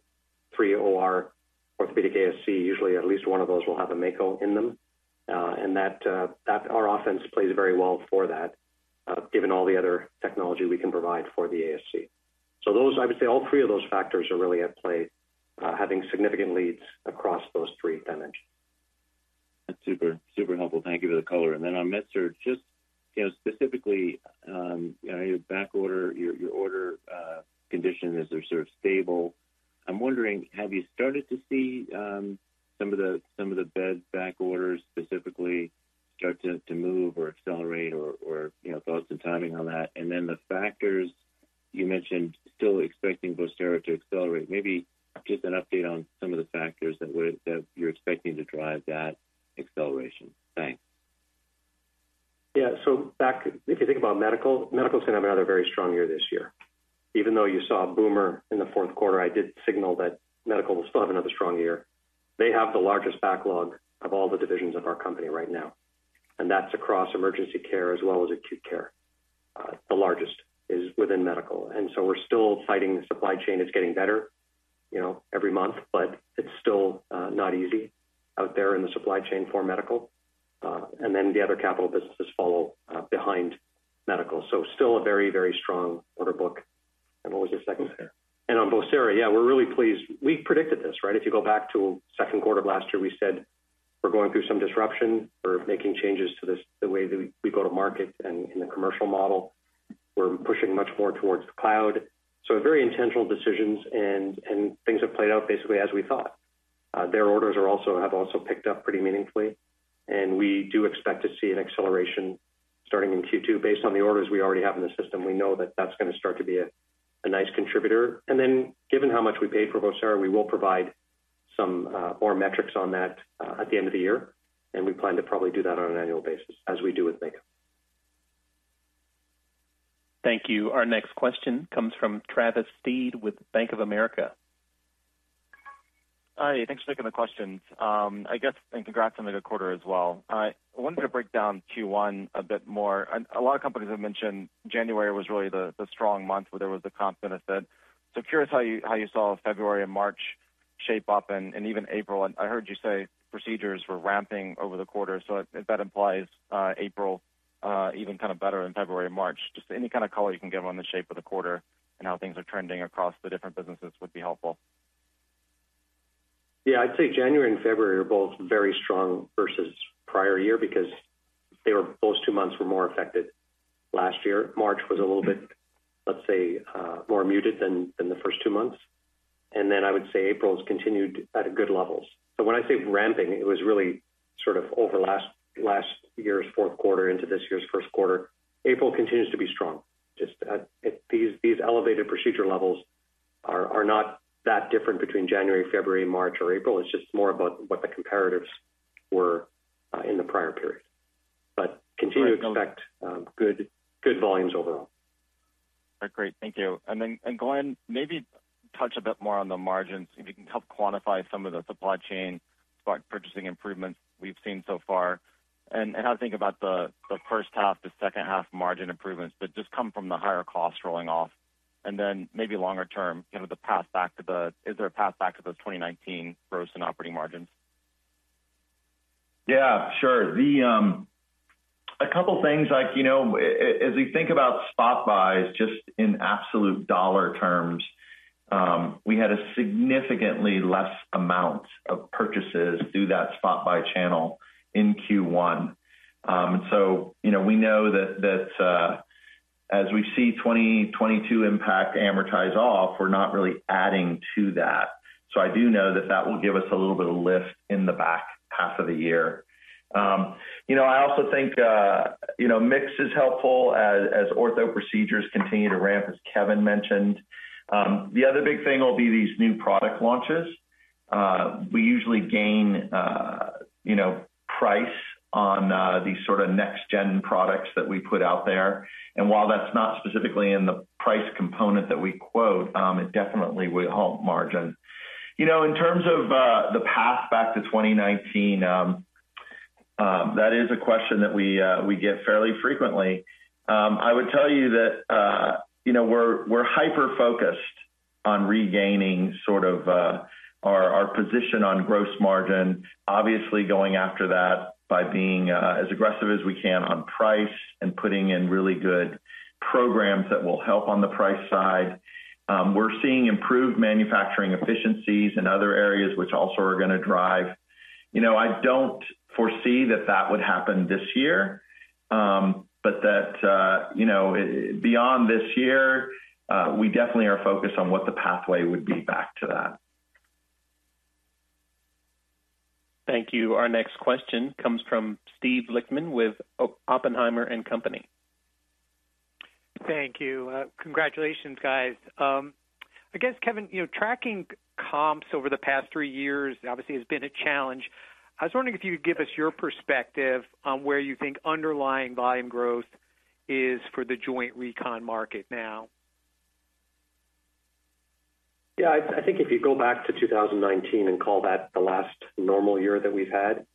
three OR orthopedic ASC, usually at least one of those will have a Mako in them. That, our offense plays very well for that, given all the other technology we can provide for the ASC. Those, I would say all three of those factors are really at play, having significant leads across those three dimensions. That's super helpful. Thank you for the color. On MedSurg, just, you know, specifically, you know, your backorder, your order, condition is sort of stable. I'm wondering, have you started to see, some of the, some of the bed backorders specifically start to move or accelerate or, you know, thoughts and timing on that? The factors you mentioned still expecting Vocera to accelerate. Maybe just an update on some of the factors that you're expecting to drive that acceleration. Thanks. Yeah. Back, if you think about Medical's gonna have another very strong year this year. Even though you saw boomer in the fourth quarter, I did signal that Medical will still have another strong year. They have the largest backlog of all the divisions of our company right now, and that's across emergency care as well as acute care. The largest is within Medical. We're still fighting. The supply chain is getting better, you know, every month, but it's still not easy out there in the supply chain for Medical. Then the other capital businesses follow behind Medical. Still a very, very strong order book and always a second there. On Vocera, yeah, we're really pleased. We predicted this, right? If you go back to second quarter of last year, we said we're going through some disruption. We're making changes to this, the way that we go to market and in the commercial model. We're pushing much more towards the cloud. Very intentional decisions and things have played out basically as we thought. Their orders have also picked up pretty meaningfully, and we do expect to see an acceleration starting in Q2 based on the orders we already have in the system. We know that that's gonna start to be a nice contributor. Given how much we paid for Vocera, we will provide some more metrics on that at the end of the year, and we plan to probably do that on an annual basis as we do with Mako. Thank you. Our next question comes from Travis Steed with Bank of America. Hi. Thanks for taking the questions. Congrats on the good quarter as well. I wanted to break down Q1 a bit more. A lot of companies have mentioned January was really the strong month where there was a confidence set. Curious how you saw February and March shape up and even April. I heard you say procedures were ramping over the quarter, if that implies April even kind of better than February and March, just any kind of color you can give on the shape of the quarter and how things are trending across the different businesses would be helpful? I'd say January and February are both very strong versus prior year because those two months were more affected last year. March was a little bit, let's say, more muted than the first two months. I would say April has continued at good levels. When I say ramping, it was really sort of over last year's fourth quarter into this year's first quarter. April continues to be strong. Just these elevated procedure levels are not that different between January, February, March or April. It's just more about what the comparatives were in the prior period, continue to expect good volumes overall. Great. Thank you. Glenn, maybe touch a bit more on the margins, if you can help quantify some of the supply chain purchasing improvements we've seen so far. And how to think about the first half to second half margin improvements that just come from the higher costs rolling off and then maybe longer term, you know, the path back to the. Is there a path back to the 2019 gross and operating margins? Yeah, sure. The couple things like, you know, as we think about spot buys just in absolute dollar terms, we had a significantly less amount of purchases through that spot buy channel in Q1. You know, we know that, as we see 2022 impact amortize off, we're not really adding to that. I do know that that will give us a little bit of lift in the back half of the year. You know, I also think, you know, mix is helpful as ortho procedures continue to ramp, as Kevin mentioned. The other big thing will be these new product launches. We usually gain, you know, price on these sort of next-gen products that we put out there. While that's not specifically in the price component that we quote, it definitely will help margin. You know, in terms of the path back to 2019, that is a question that we get fairly frequently. I would tell you that, you know, we're hyper-focused on regaining sort of our position on gross margin, obviously going after that by being as aggressive as we can on price and putting in really good programs that will help on the price side. We're seeing improved manufacturing efficiencies in other areas which also are going to drive. You know, I don't foresee that that would happen this year, but that, you know, beyond this year, we definitely are focused on what the pathway would be back to that. Thank you. Our next question comes from Steve Lichtman with Oppenheimer & Co.. Thank you. Congratulations, guys. I guess, Kevin, you know, tracking comps over the past three years obviously has been a challenge. I was wondering if you could give us your perspective on where you think underlying volume growth is for the joint recon market now? Yeah, I think if you go back to 2019 and call that the last normal year that we've had,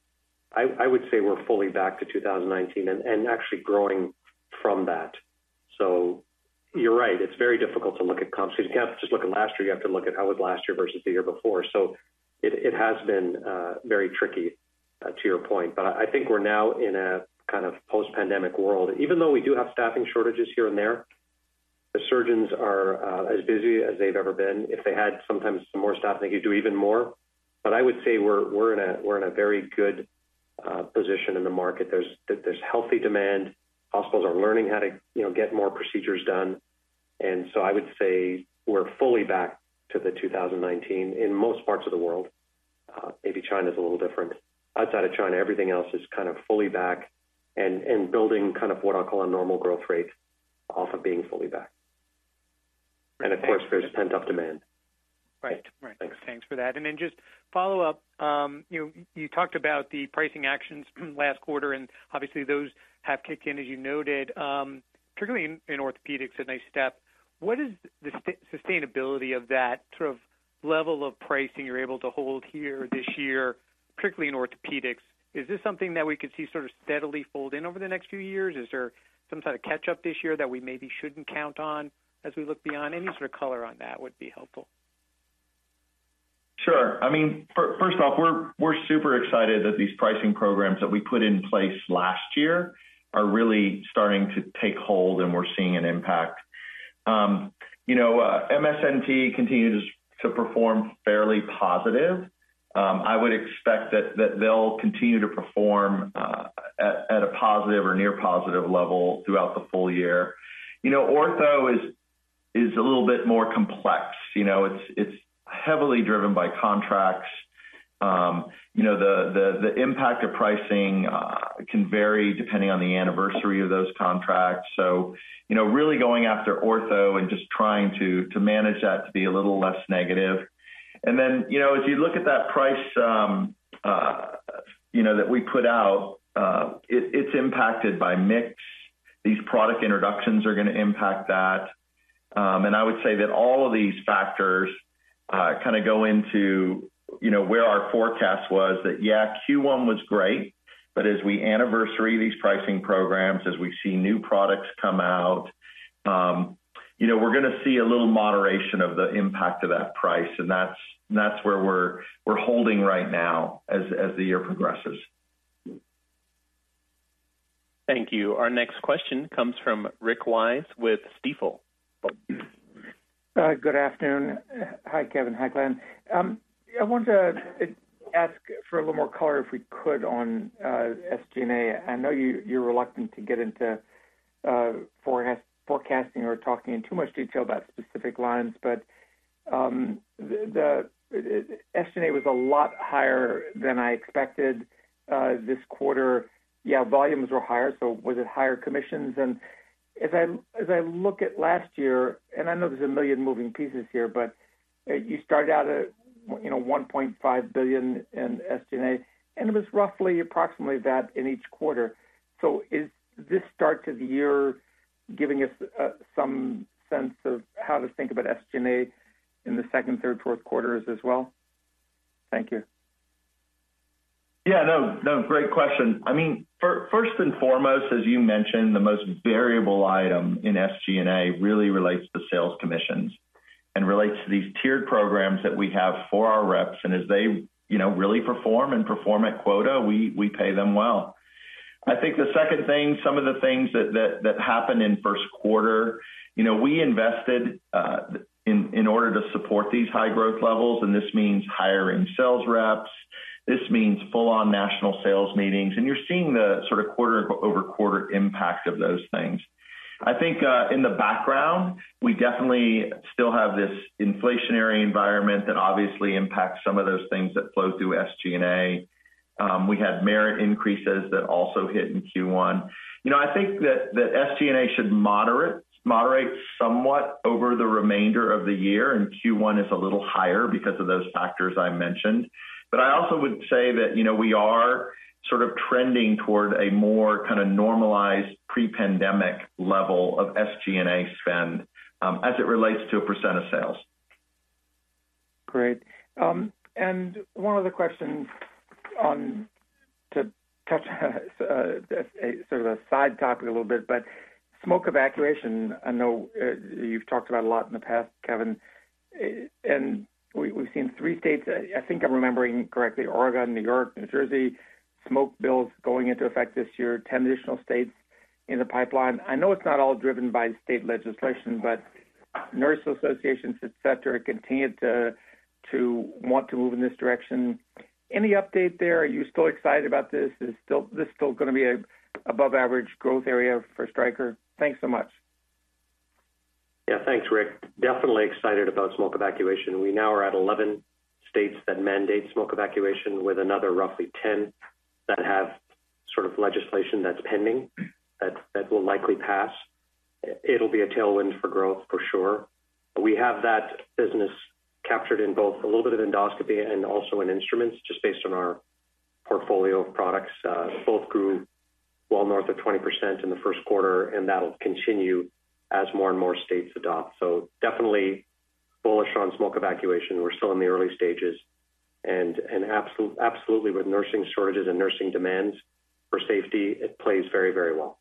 I would say we're fully back to 2019 and actually growing from that. You're right, it's very difficult to look at comps because you can't just look at last year. You have to look at how was last year versus the year before. It has been very tricky to your point. I think we're now in a kind of post-pandemic world. Even though we do have staffing shortages here and there, the surgeons are as busy as they've ever been. If they had sometimes some more staff, they could do even more. I would say we're in a very good position in the market. There's healthy demand. Hospitals are learning how to, you know, get more procedures done. I would say we're fully back to the 2019 in most parts of the world. Maybe China is a little different. Outside of China, everything else is kind of fully back and building kind of what I'll call a normal growth rate off of being fully back. Of course, there's pent-up demand. Right. Right. Thanks. Thanks for that. Just follow-up. You, you talked about the pricing actions last quarter, and obviously those have kicked in, as you noted, particularly in Orthopaedics, a nice step. What is the sustainability of that sort of level of pricing you're able to hold here this year, particularly in Orthopaedics? Is this something that we could see sort of steadily fold in over the next few years? Is there some sort of catch up this year that we maybe shouldn't count on as we look beyond? Any sort of color on that would be helpful. Sure. I mean, first off, we're super excited that these pricing programs that we put in place last year are really starting to take hold and we're seeing an impact. You know, MSNT continues to perform fairly positive. I would expect that they'll continue to perform at a positive or near positive level throughout the full year. You know, ortho is a little bit more complex. You know, it's heavily driven by contracts. You know, the impact of pricing can vary depending on the anniversary of those contracts. You know, really going after ortho and just trying to manage that to be a little less negative. You know, as you look at that price, you know, that we put out, it's impacted by mix. These product introductions are going to impact that. I would say that all of these factors, kind of go into, you know, where our forecast was that, yeah, Q1 was great. As we anniversary these pricing programs, as we see new products come out, you know, we're gonna see a little moderation of the impact of that price, and that's where we're holding right now as the year progresses. Thank you. Our next question comes from Rick Wise with Stifel. Good afternoon. Hi, Kevin. Hi, Glenn. I wanted to ask for a little more color, if we could, on SG&A. I know you're reluctant to get into forecasting or talking in too much detail about specific lines, but the SG&A was a lot higher than I expected this quarter. Yeah, volumes were higher, so was it higher commissions? As I look at last year, and I know there's a million moving pieces here, but you started out at, you know, $1.5 billion in SG&A, and it was roughly approximately that in each quarter. Is this start to the year giving us some sense of how to think about SG&A in the second, third, fourth quarters as well? Thank you. Yeah, no, great question. I mean, first and foremost, as you mentioned, the most variable item in SG&A really relates to sales commissions and relates to these tiered programs that we have for our reps. As they, you know, really perform and perform at quota, we pay them well. I think the second thing, some of the things that happened in first quarter, you know, we invested in order to support these high growth levels, and this means hiring sales reps. This means full-on national sales meetings, and you're seeing the sort of quarter-over-quarter impact of those things. I think in the background, we definitely still have this inflationary environment that obviously impacts some of those things that flow through SG&A. We had merit increases that also hit in Q1. You know, I think that SG&A should moderate somewhat over the remainder of the year. Q1 is a little higher because of those factors I mentioned. I also would say that, you know, we are sort of trending toward a more kind of normalized pre-pandemic level of SG&A spend as it relates to a percent of sales. Great. One other question to touch on sort of a side topic a little bit, but smoke evacuation, I know, you've talked about a lot in the past, Kevin. We've seen three states, I think I'm remembering correctly, Oregon, New York, New Jersey, smoke bills going into effect this year, 10 additional states in the pipeline. I know it's not all driven by state legislation, but nurse associations, et cetera, continue to want to move in this direction. Any update there? Are you still excited about this? Is this still gonna be an above average growth area for Stryker? Thanks so much. Yeah. Thanks, Rick. Definitely excited about smoke evacuation. We now are at 11 states that mandate smoke evacuation with another roughly 10 that have legislation that will likely pass. It'll be a tailwind for growth for sure. We have that business captured in both a little bit of Endoscopy and also in Instruments just based on our portfolio of products. Both grew well north of 20% in the first quarter, and that'll continue as more and more states adopt. Definitely bullish on smoke evacuation. We're still in the early stages. Absolutely, with nursing shortages and nursing demands for safety, it plays very, very well.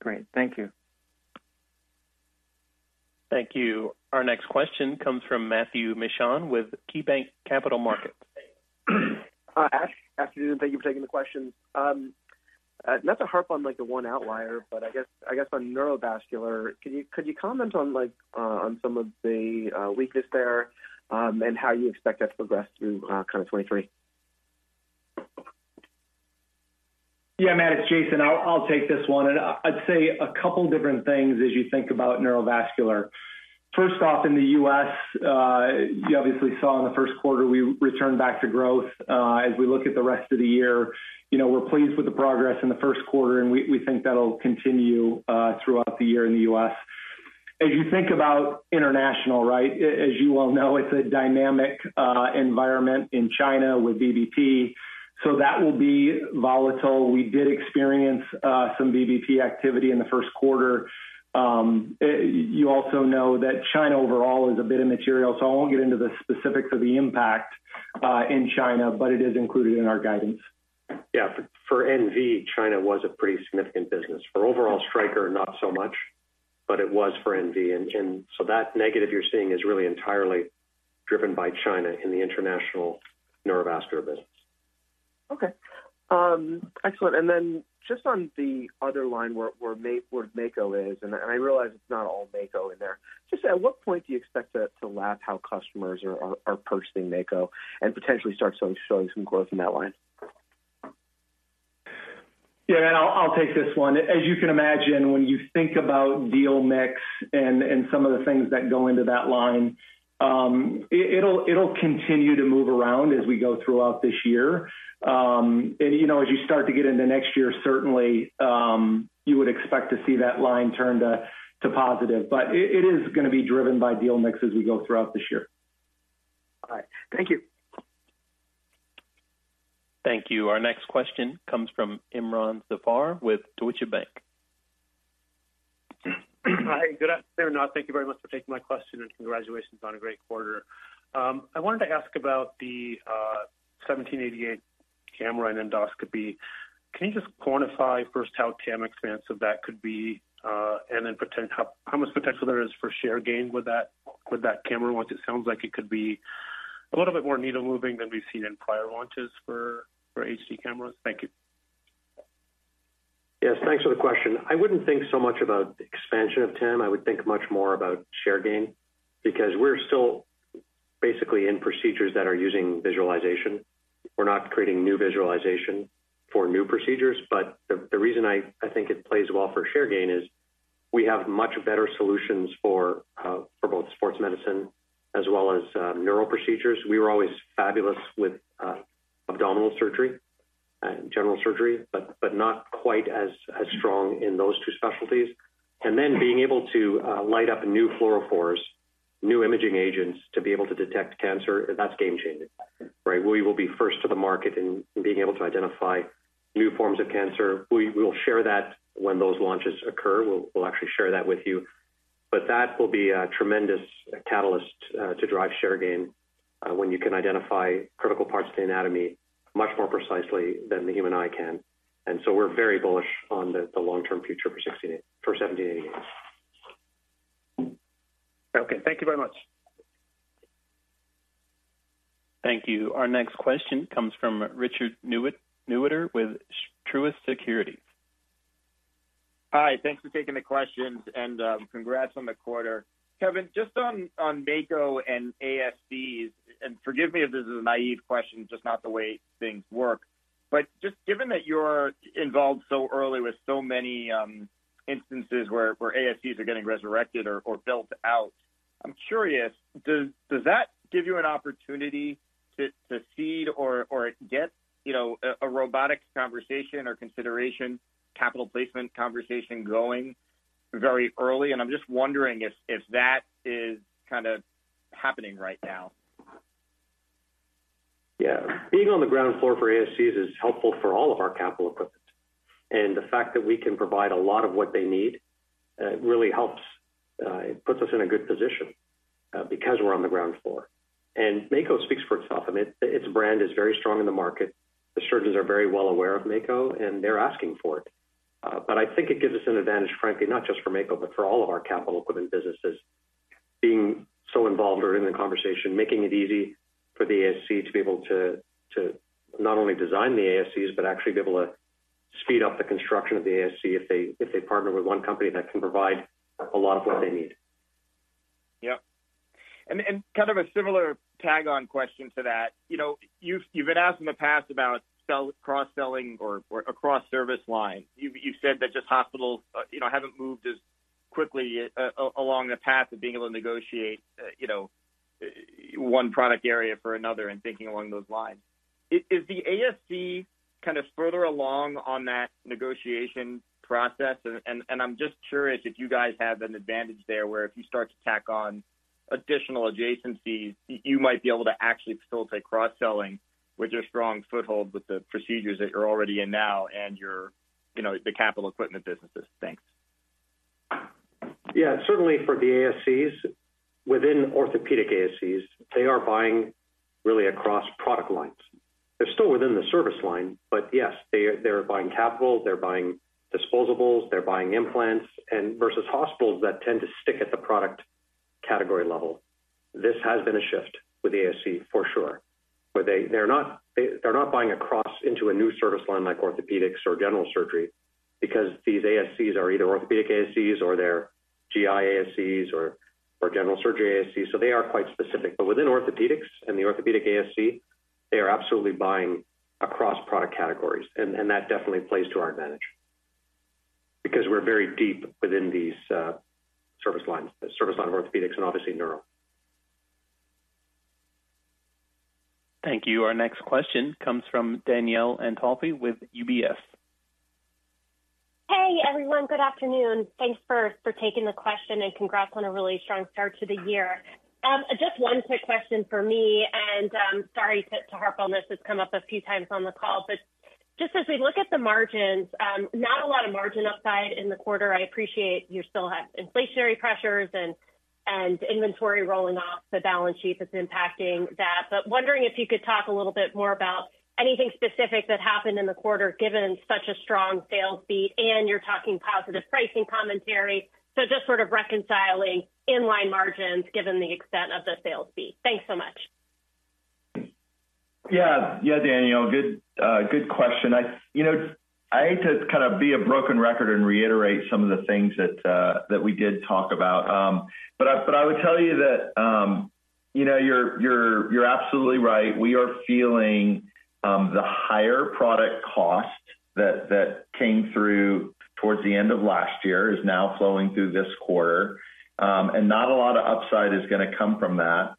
Great. Thank you. Thank you. Our next question comes from Matthew Mishan with KeyBanc Capital Markets. Hi. Afternoon. Thank you for taking the question. Not to harp on, like, the one outlier, but I guess on neurovascular, can you, could you comment on, like, on some of the weakness there, and how you expect that to progress through, kind of 2023? Yeah, Matt, it's Jason. I'll take this one. I'd say a couple different things as you think about neurovascular. First off, in the U.S., you obviously saw in the first quarter, we returned back to growth. As we look at the rest of the year, you know, we're pleased with the progress in the 1st quarter, and we think that'll continue throughout the year in the U.S. As you think about international, right? As you well know, it's a dynamic environment in China with VBP, that will be volatile. We did experience some VBP activity in the 1st quarter. You also know that China overall is a bit immaterial, I won't get into the specifics of the impact in China, but it is included in our guidance. Yeah. For NV, China was a pretty significant business. For overall Stryker, not so much, but it was for NV. That negative you're seeing is really entirely driven by China in the international neurovascular business. Okay. excellent. Just on the other line where Mako is, I realize it's not all Mako in there. Just at what point do you expect that to lap how customers are purchasing Mako and potentially start showing some growth in that line? Yeah. I'll take this one. As you can imagine, when you think about deal mix and some of the things that go into that line, it'll continue to move around as we go throughout this year. you know, as you start to get into next year, certainly, you would expect to see that line turn to positive. it is gonna be driven by deal mix as we go throughout this year. All right. Thank you. Thank you. Our next question comes from Imron Zafar with Deutsche Bank. Hi, good afternoon. Thank you very much for taking my question, and congratulations on a great quarter. I wanted to ask about the 1788 Platform- Camera and Endoscopy. Can you just quantify first how TAM expansive that could be, and then how much potential there is for share gain with that camera once it sounds like it could be a little bit more needle moving than we've seen in prior launches for HD cameras? Thank you. Yes, thanks for the question. I wouldn't think so much about expansion of TAM. I would think much more about share gain because we're still basically in procedures that are using visualization. We're not creating new visualization for new procedures, but the reason I think it plays well for share gain is we have much better solutions for both sports medicine as well as neural procedures. We were always fabulous with abdominal surgery and general surgery, but not quite as strong in those two specialties. Being able to light up new fluorophores, new imaging agents to be able to detect cancer, that's game changing, right? We will be first to the market in being able to identify new forms of cancer. We will share that when those launches occur. We'll actually share that with you. That will be a tremendous catalyst to drive share gain when you can identify critical parts of the anatomy much more precisely than the human eye can. We're very bullish on the long-term future for 1788 Platform. Okay. Thank you very much. Thank you. Our next question comes from Richard Newitter with Truist Securities. Hi. Thanks for taking the questions and congrats on the quarter. Kevin, just on Mako and ASCs, and forgive me if this is a naive question, just not the way things work. Just given that you're involved so early with so many instances where ASCs are getting resurrected or built out, I'm curious, does that give you an opportunity to seed or get, you know, a robotics conversation or consideration, capital placement conversation going very early? I'm just wondering if that is kind of happening right now. Yeah. Being on the ground floor for ASCs is helpful for all of our capital equipment. The fact that we can provide a lot of what they need really helps. It puts us in a good position because we're on the ground floor. Mako speaks for itself. I mean, its brand is very strong in the market. The surgeons are very well aware of Mako, and they're asking for it. I think it gives us an advantage, frankly, not just for Mako, but for all of our capital equipment businesses being so involved or in the conversation, making it easy for the ASC to be able to not only design the ASCs, but actually be able to speed up the construction of the ASC if they partner with one company that can provide a lot of what they need. Yep. Kind of a similar tag-on question to that. You know, you've been asked in the past about cross-selling or a cross-service line. You've said that just hospitals, you know, haven't moved as quickly along the path of being able to negotiate, you know, one product area for another and thinking along those lines. Is the ASC kind of further along on that negotiation process? I'm just curious if you guys have an advantage there, where if you start to tack on additional adjacencies, you might be able to actually facilitate cross-selling with your strong foothold with the procedures that you're already in now and your, you know, the capital equipment businesses. Thanks. Certainly for the ASCs, within orthopedic ASCs, they are buying really across product lines. They're still within the service line, yes, they're buying capital, they're buying disposables, they're buying implants, and versus hospitals that tend to stick at the product category level. This has been a shift with ASC for sure. They're not, they're not buying across into a new service line like orthopedics or general surgery because these ASCs are either orthopedic ASCs or they're GI ASCs or general surgery ASCs, they are quite specific. Within orthopedics and the orthopedic ASC, they are absolutely buying across product categories. That definitely plays to our advantage because we're very deep within these service lines, the service line of orthopedics and obviously neuro. Thank you. Our next question comes from Danielle Antalffy with UBS. Hey, everyone. Good afternoon. Thanks for taking the question, and congrats on a really strong start to the year. Just one quick question for me, and sorry to harp on this. It's come up a few times on the call. Just as we look at the margins, not a lot of margin upside in the quarter. I appreciate you still have inflationary pressures and inventory rolling off the balance sheet that's impacting that. Wondering if you could talk a little bit more about anything specific that happened in the quarter, given such a strong sales beat and you're talking positive pricing commentary. Just sort of reconciling in-line margins given the extent of the sales beat. Thanks so much. Yeah. Yeah, Danielle. Good question. I, you know, I hate to kind of be a broken record and reiterate some of the things that we did talk about. But I would tell you that, you know, you're absolutely right. We are feeling the higher product cost that came through towards the end of last year is now flowing through this quarter. Not a lot of upside is going to come from that.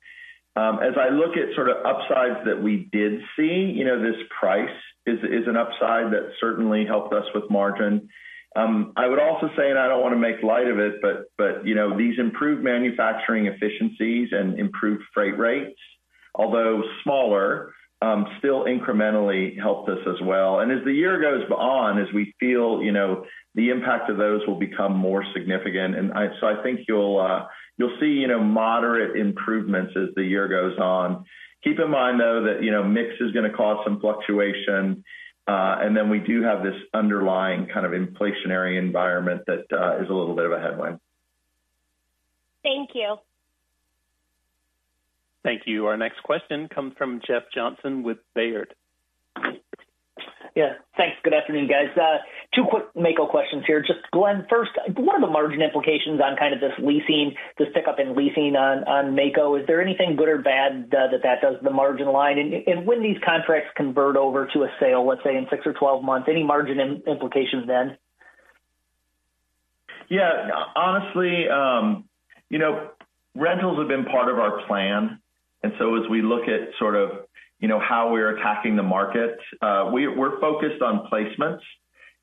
As I look at sort of upsides that we did see, you know, this price is an upside that certainly helped us with margin. I would also say, and I don't want to make light of it, but, you know, these improved manufacturing efficiencies and improved freight rates, although smaller, still incrementally helped us as well. As the year goes on, as we feel, you know, the impact of those will become more significant. I think you'll see, you know, moderate improvements as the year goes on. Keep in mind, though, that, you know, mix is going to cause some fluctuation. We do have this underlying kind of inflationary environment that is a little bit of a headwind. Thank you. Thank you. Our next question comes from Jeff Johnson with Baird. Yeah. Thanks. Good afternoon, guys. two quick Mako questions here. Just Glenn first, what are the margin implications on kind of this leasing, this pickup in leasing on Mako? Is there anything good or bad that does the margin line? When these contracts convert over to a sale, let's say in six or 12 months, any margin implications then? Yeah. Honestly, you know, rentals have been part of our plan. As we look at sort of, you know, how we're attacking the market, we're focused on placements.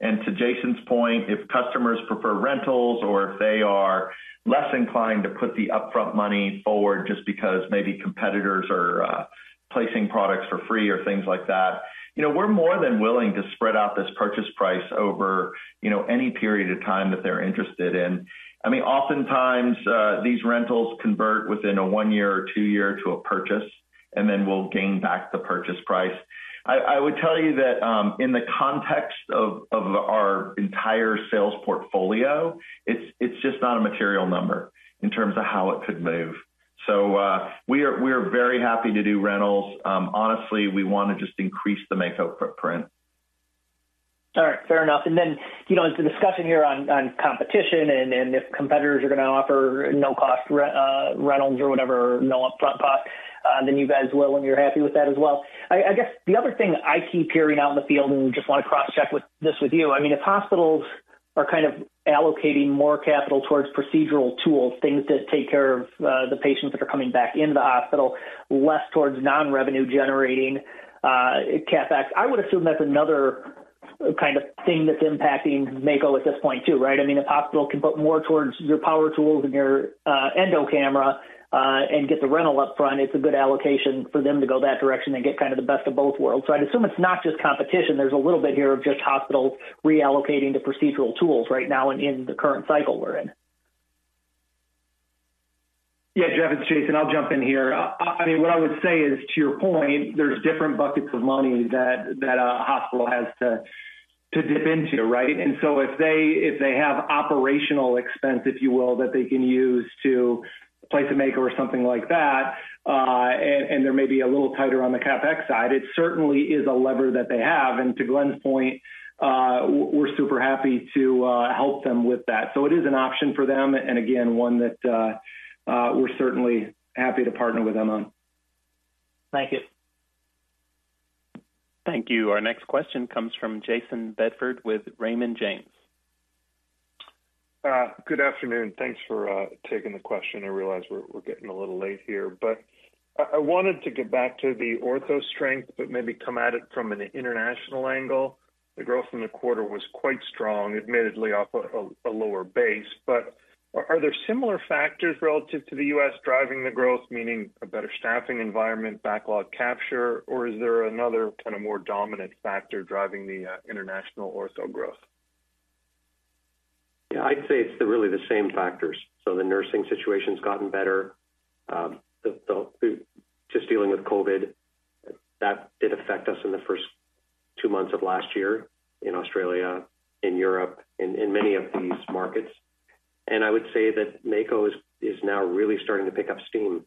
To Jason's point, if customers prefer rentals or if they are less inclined to put the upfront money forward just because maybe competitors are placing products for free or things like that, you know, we're more than willing to spread out this purchase price over, you know, any period of time that they're interested in. I mean, oftentimes, these rentals convert within a one year or two year to a purchase, and then we'll gain back the purchase price. I would tell you that, in the context of our entire sales portfolio, it's just not a material number in terms of how it could move. We are very happy to do rentals. Honestly, we want to just increase the Mako footprint. All right. Fair enough. Then, you know, the discussion here on competition and if competitors are going to offer no cost rentals or whatever, no upfront cost, then you guys will and you're happy with that as well. I guess the other thing I keep hearing out in the field, and just want to cross-check with this with you, I mean, if hospitals are kind of allocating more capital towards procedural tools, things that take care of the patients that are coming back in the hospital, less towards non-revenue generating CapEx, I would assume that's another kind of thing that's impacting Mako at this point too, right? I mean, if hospital can put more towards your power tools and your endo camera and get the rental up front, it's a good allocation for them to go that direction and get kind of the best of both worlds. I'd assume it's not just competition. There's a little bit here of just hospitals reallocating the procedural tools right now in the current cycle we're in. Yeah, Jeff, it's Jason. I mean, what I would say is, to your point, there's different buckets of money that a hospital has to dip into, right? If they have operational expense, if you will, that they can use to place a Mako or something like that, and they may be a little tighter on the CapEx side, it certainly is a lever that they have. To Glenn's point, we're super happy to help them with that. It is an option for them, and again, one that we're certainly happy to partner with them on. Thank you. Thank you. Our next question comes from Jayson Bedford with Raymond James. Good afternoon. Thanks for taking the question. I realize we're getting a little late here. I wanted to get back to the ortho strength, but maybe come at it from an international angle. The growth in the quarter was quite strong, admittedly off a lower base. Are there similar factors relative to the U.S. driving the growth, meaning a better staffing environment, backlog capture, or is there another kind of more dominant factor driving the international ortho growth? Yeah, I'd say it's the really the same factors. The nursing situation's gotten better. Just dealing with COVID, that did affect us in the first two months of last year in Australia, in Europe, in many of these markets. I would say that Mako is now really starting to pick up steam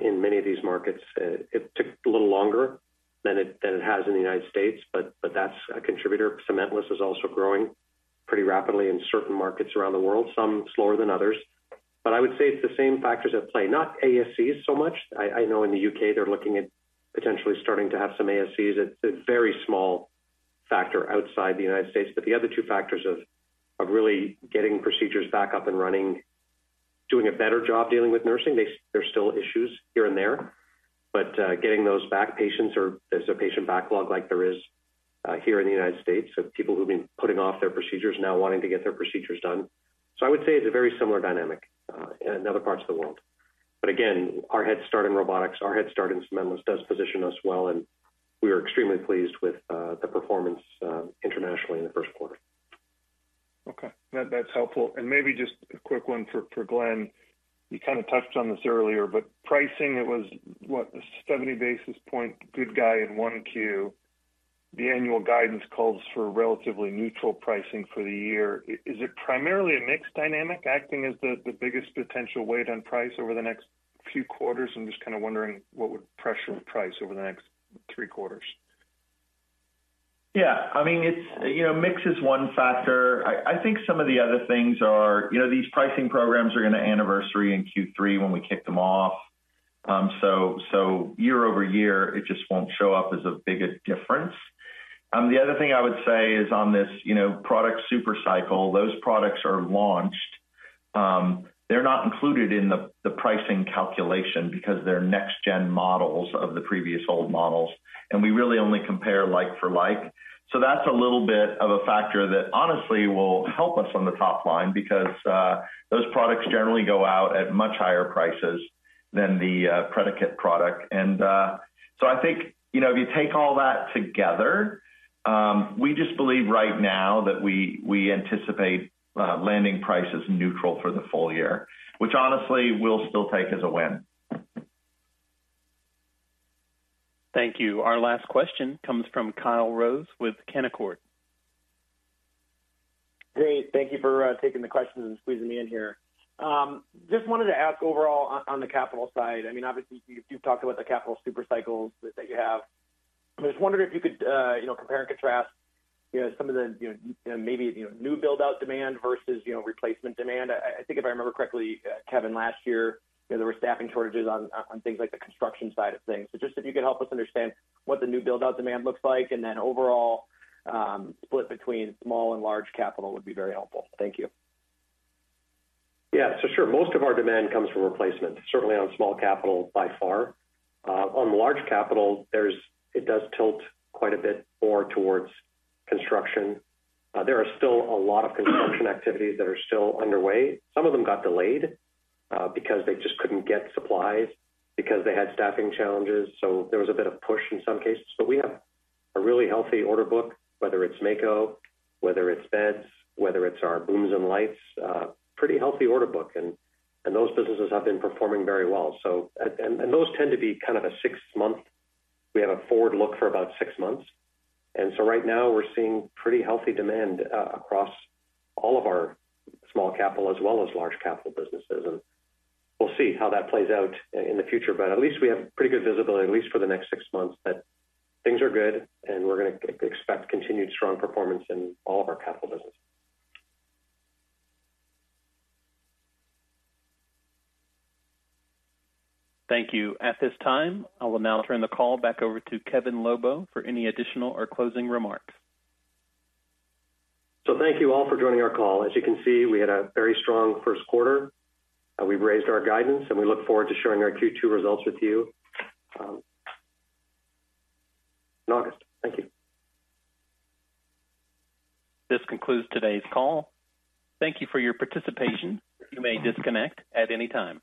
in many of these markets. It took a little longer than it has in the United States, but that's a contributor. Cementless is also growing pretty rapidly in certain markets around the world, some slower than others. I would say it's the same factors at play, not ASCs so much. I know in the U.K. they're looking at potentially starting to have some ASCs. It's a very small factor outside the United States. The other two factors of really getting procedures back up and running, doing a better job dealing with nursing. There's still issues here and there, but getting those back patients or there's a patient backlog like there is here in the United States of people who've been putting off their procedures now wanting to get their procedures done. I would say it's a very similar dynamic in other parts of the world. Again, our head start in robotics, our head start in cementless does position us well, and we are extremely pleased with the performance internationally in the first quarter. Okay. That's helpful. Maybe just a quick one for Glenn. You kind of touched on this earlier, pricing, it was what, a 70 basis point good guy in 1Q. The annual guidance calls for relatively neutral pricing for the year. Is it primarily a mix dynamic acting as the biggest potential weight on price over the next few quarters? I'm just kind of wondering what would pressure the price over the next three quarters. Yeah. I mean, it's, you know, mix is one factor. I think some of the other things are, you know, these pricing programs are going to anniversary in Q3 when we kick them off. year-over-year, it just won't show up as a big a difference. The other thing I would say is on this, you know, product super cycle, those products are launched, they're not included in the pricing calculation because they're next-gen models of the previous old models, and we really only compare like-for-like. That's a little bit of a factor that honestly will help us on the top line because those products generally go out at much higher prices than the predicate product. I think, you know, if you take all that together, we just believe right now that we anticipate landing prices neutral for the full year, which honestly we'll still take as a win. Thank you. Our last question comes from Kyle Rose with Canaccord. Great. Thank you for taking the questions and squeezing me in here. Just wanted to ask overall on the capital side, I mean, obviously you've talked about the capital super cycles that you have. I was wondering if you could, you know, compare and contrast, you know, some of the, you know, maybe, you know, new build-out demand versus, you know, replacement demand. I think if I remember correctly, Kevin, last year, you know, there were staffing shortages on things like the construction side of things. Just if you could help us understand what the new build-out demand looks like, and then overall, split between small and large capital would be very helpful. Thank you. Sure. Most of our demand comes from replacement, certainly on small capital by far. On large capital, it does tilt quite a bit more towards construction. There are still a lot of construction activities that are still underway. Some of them got delayed, because they just couldn't get supplies because they had staffing challenges, so there was a bit of push in some cases. We have a really healthy order book, whether it's Mako, whether it's beds, whether it's our booms and lights, pretty healthy order book. And those businesses have been performing very well. Those tend to be. We have a forward look for about six months. Right now we're seeing pretty healthy demand, across all of our small capital as well as large capital businesses. We'll see how that plays out in the future. At least we have pretty good visibility, at least for the next six months, that things are good and we're gonna expect continued strong performance in all of our capital businesses. Thank you. At this time, I will now turn the call back over to Kevin Lobo for any additional or closing remarks. Thank you all for joining our call. As you can see, we had a very strong first quarter. We've raised our guidance, and we look forward to sharing our Q2 results with you in August. Thank you. This concludes today's call. Thank you for your participation. You may disconnect at any time.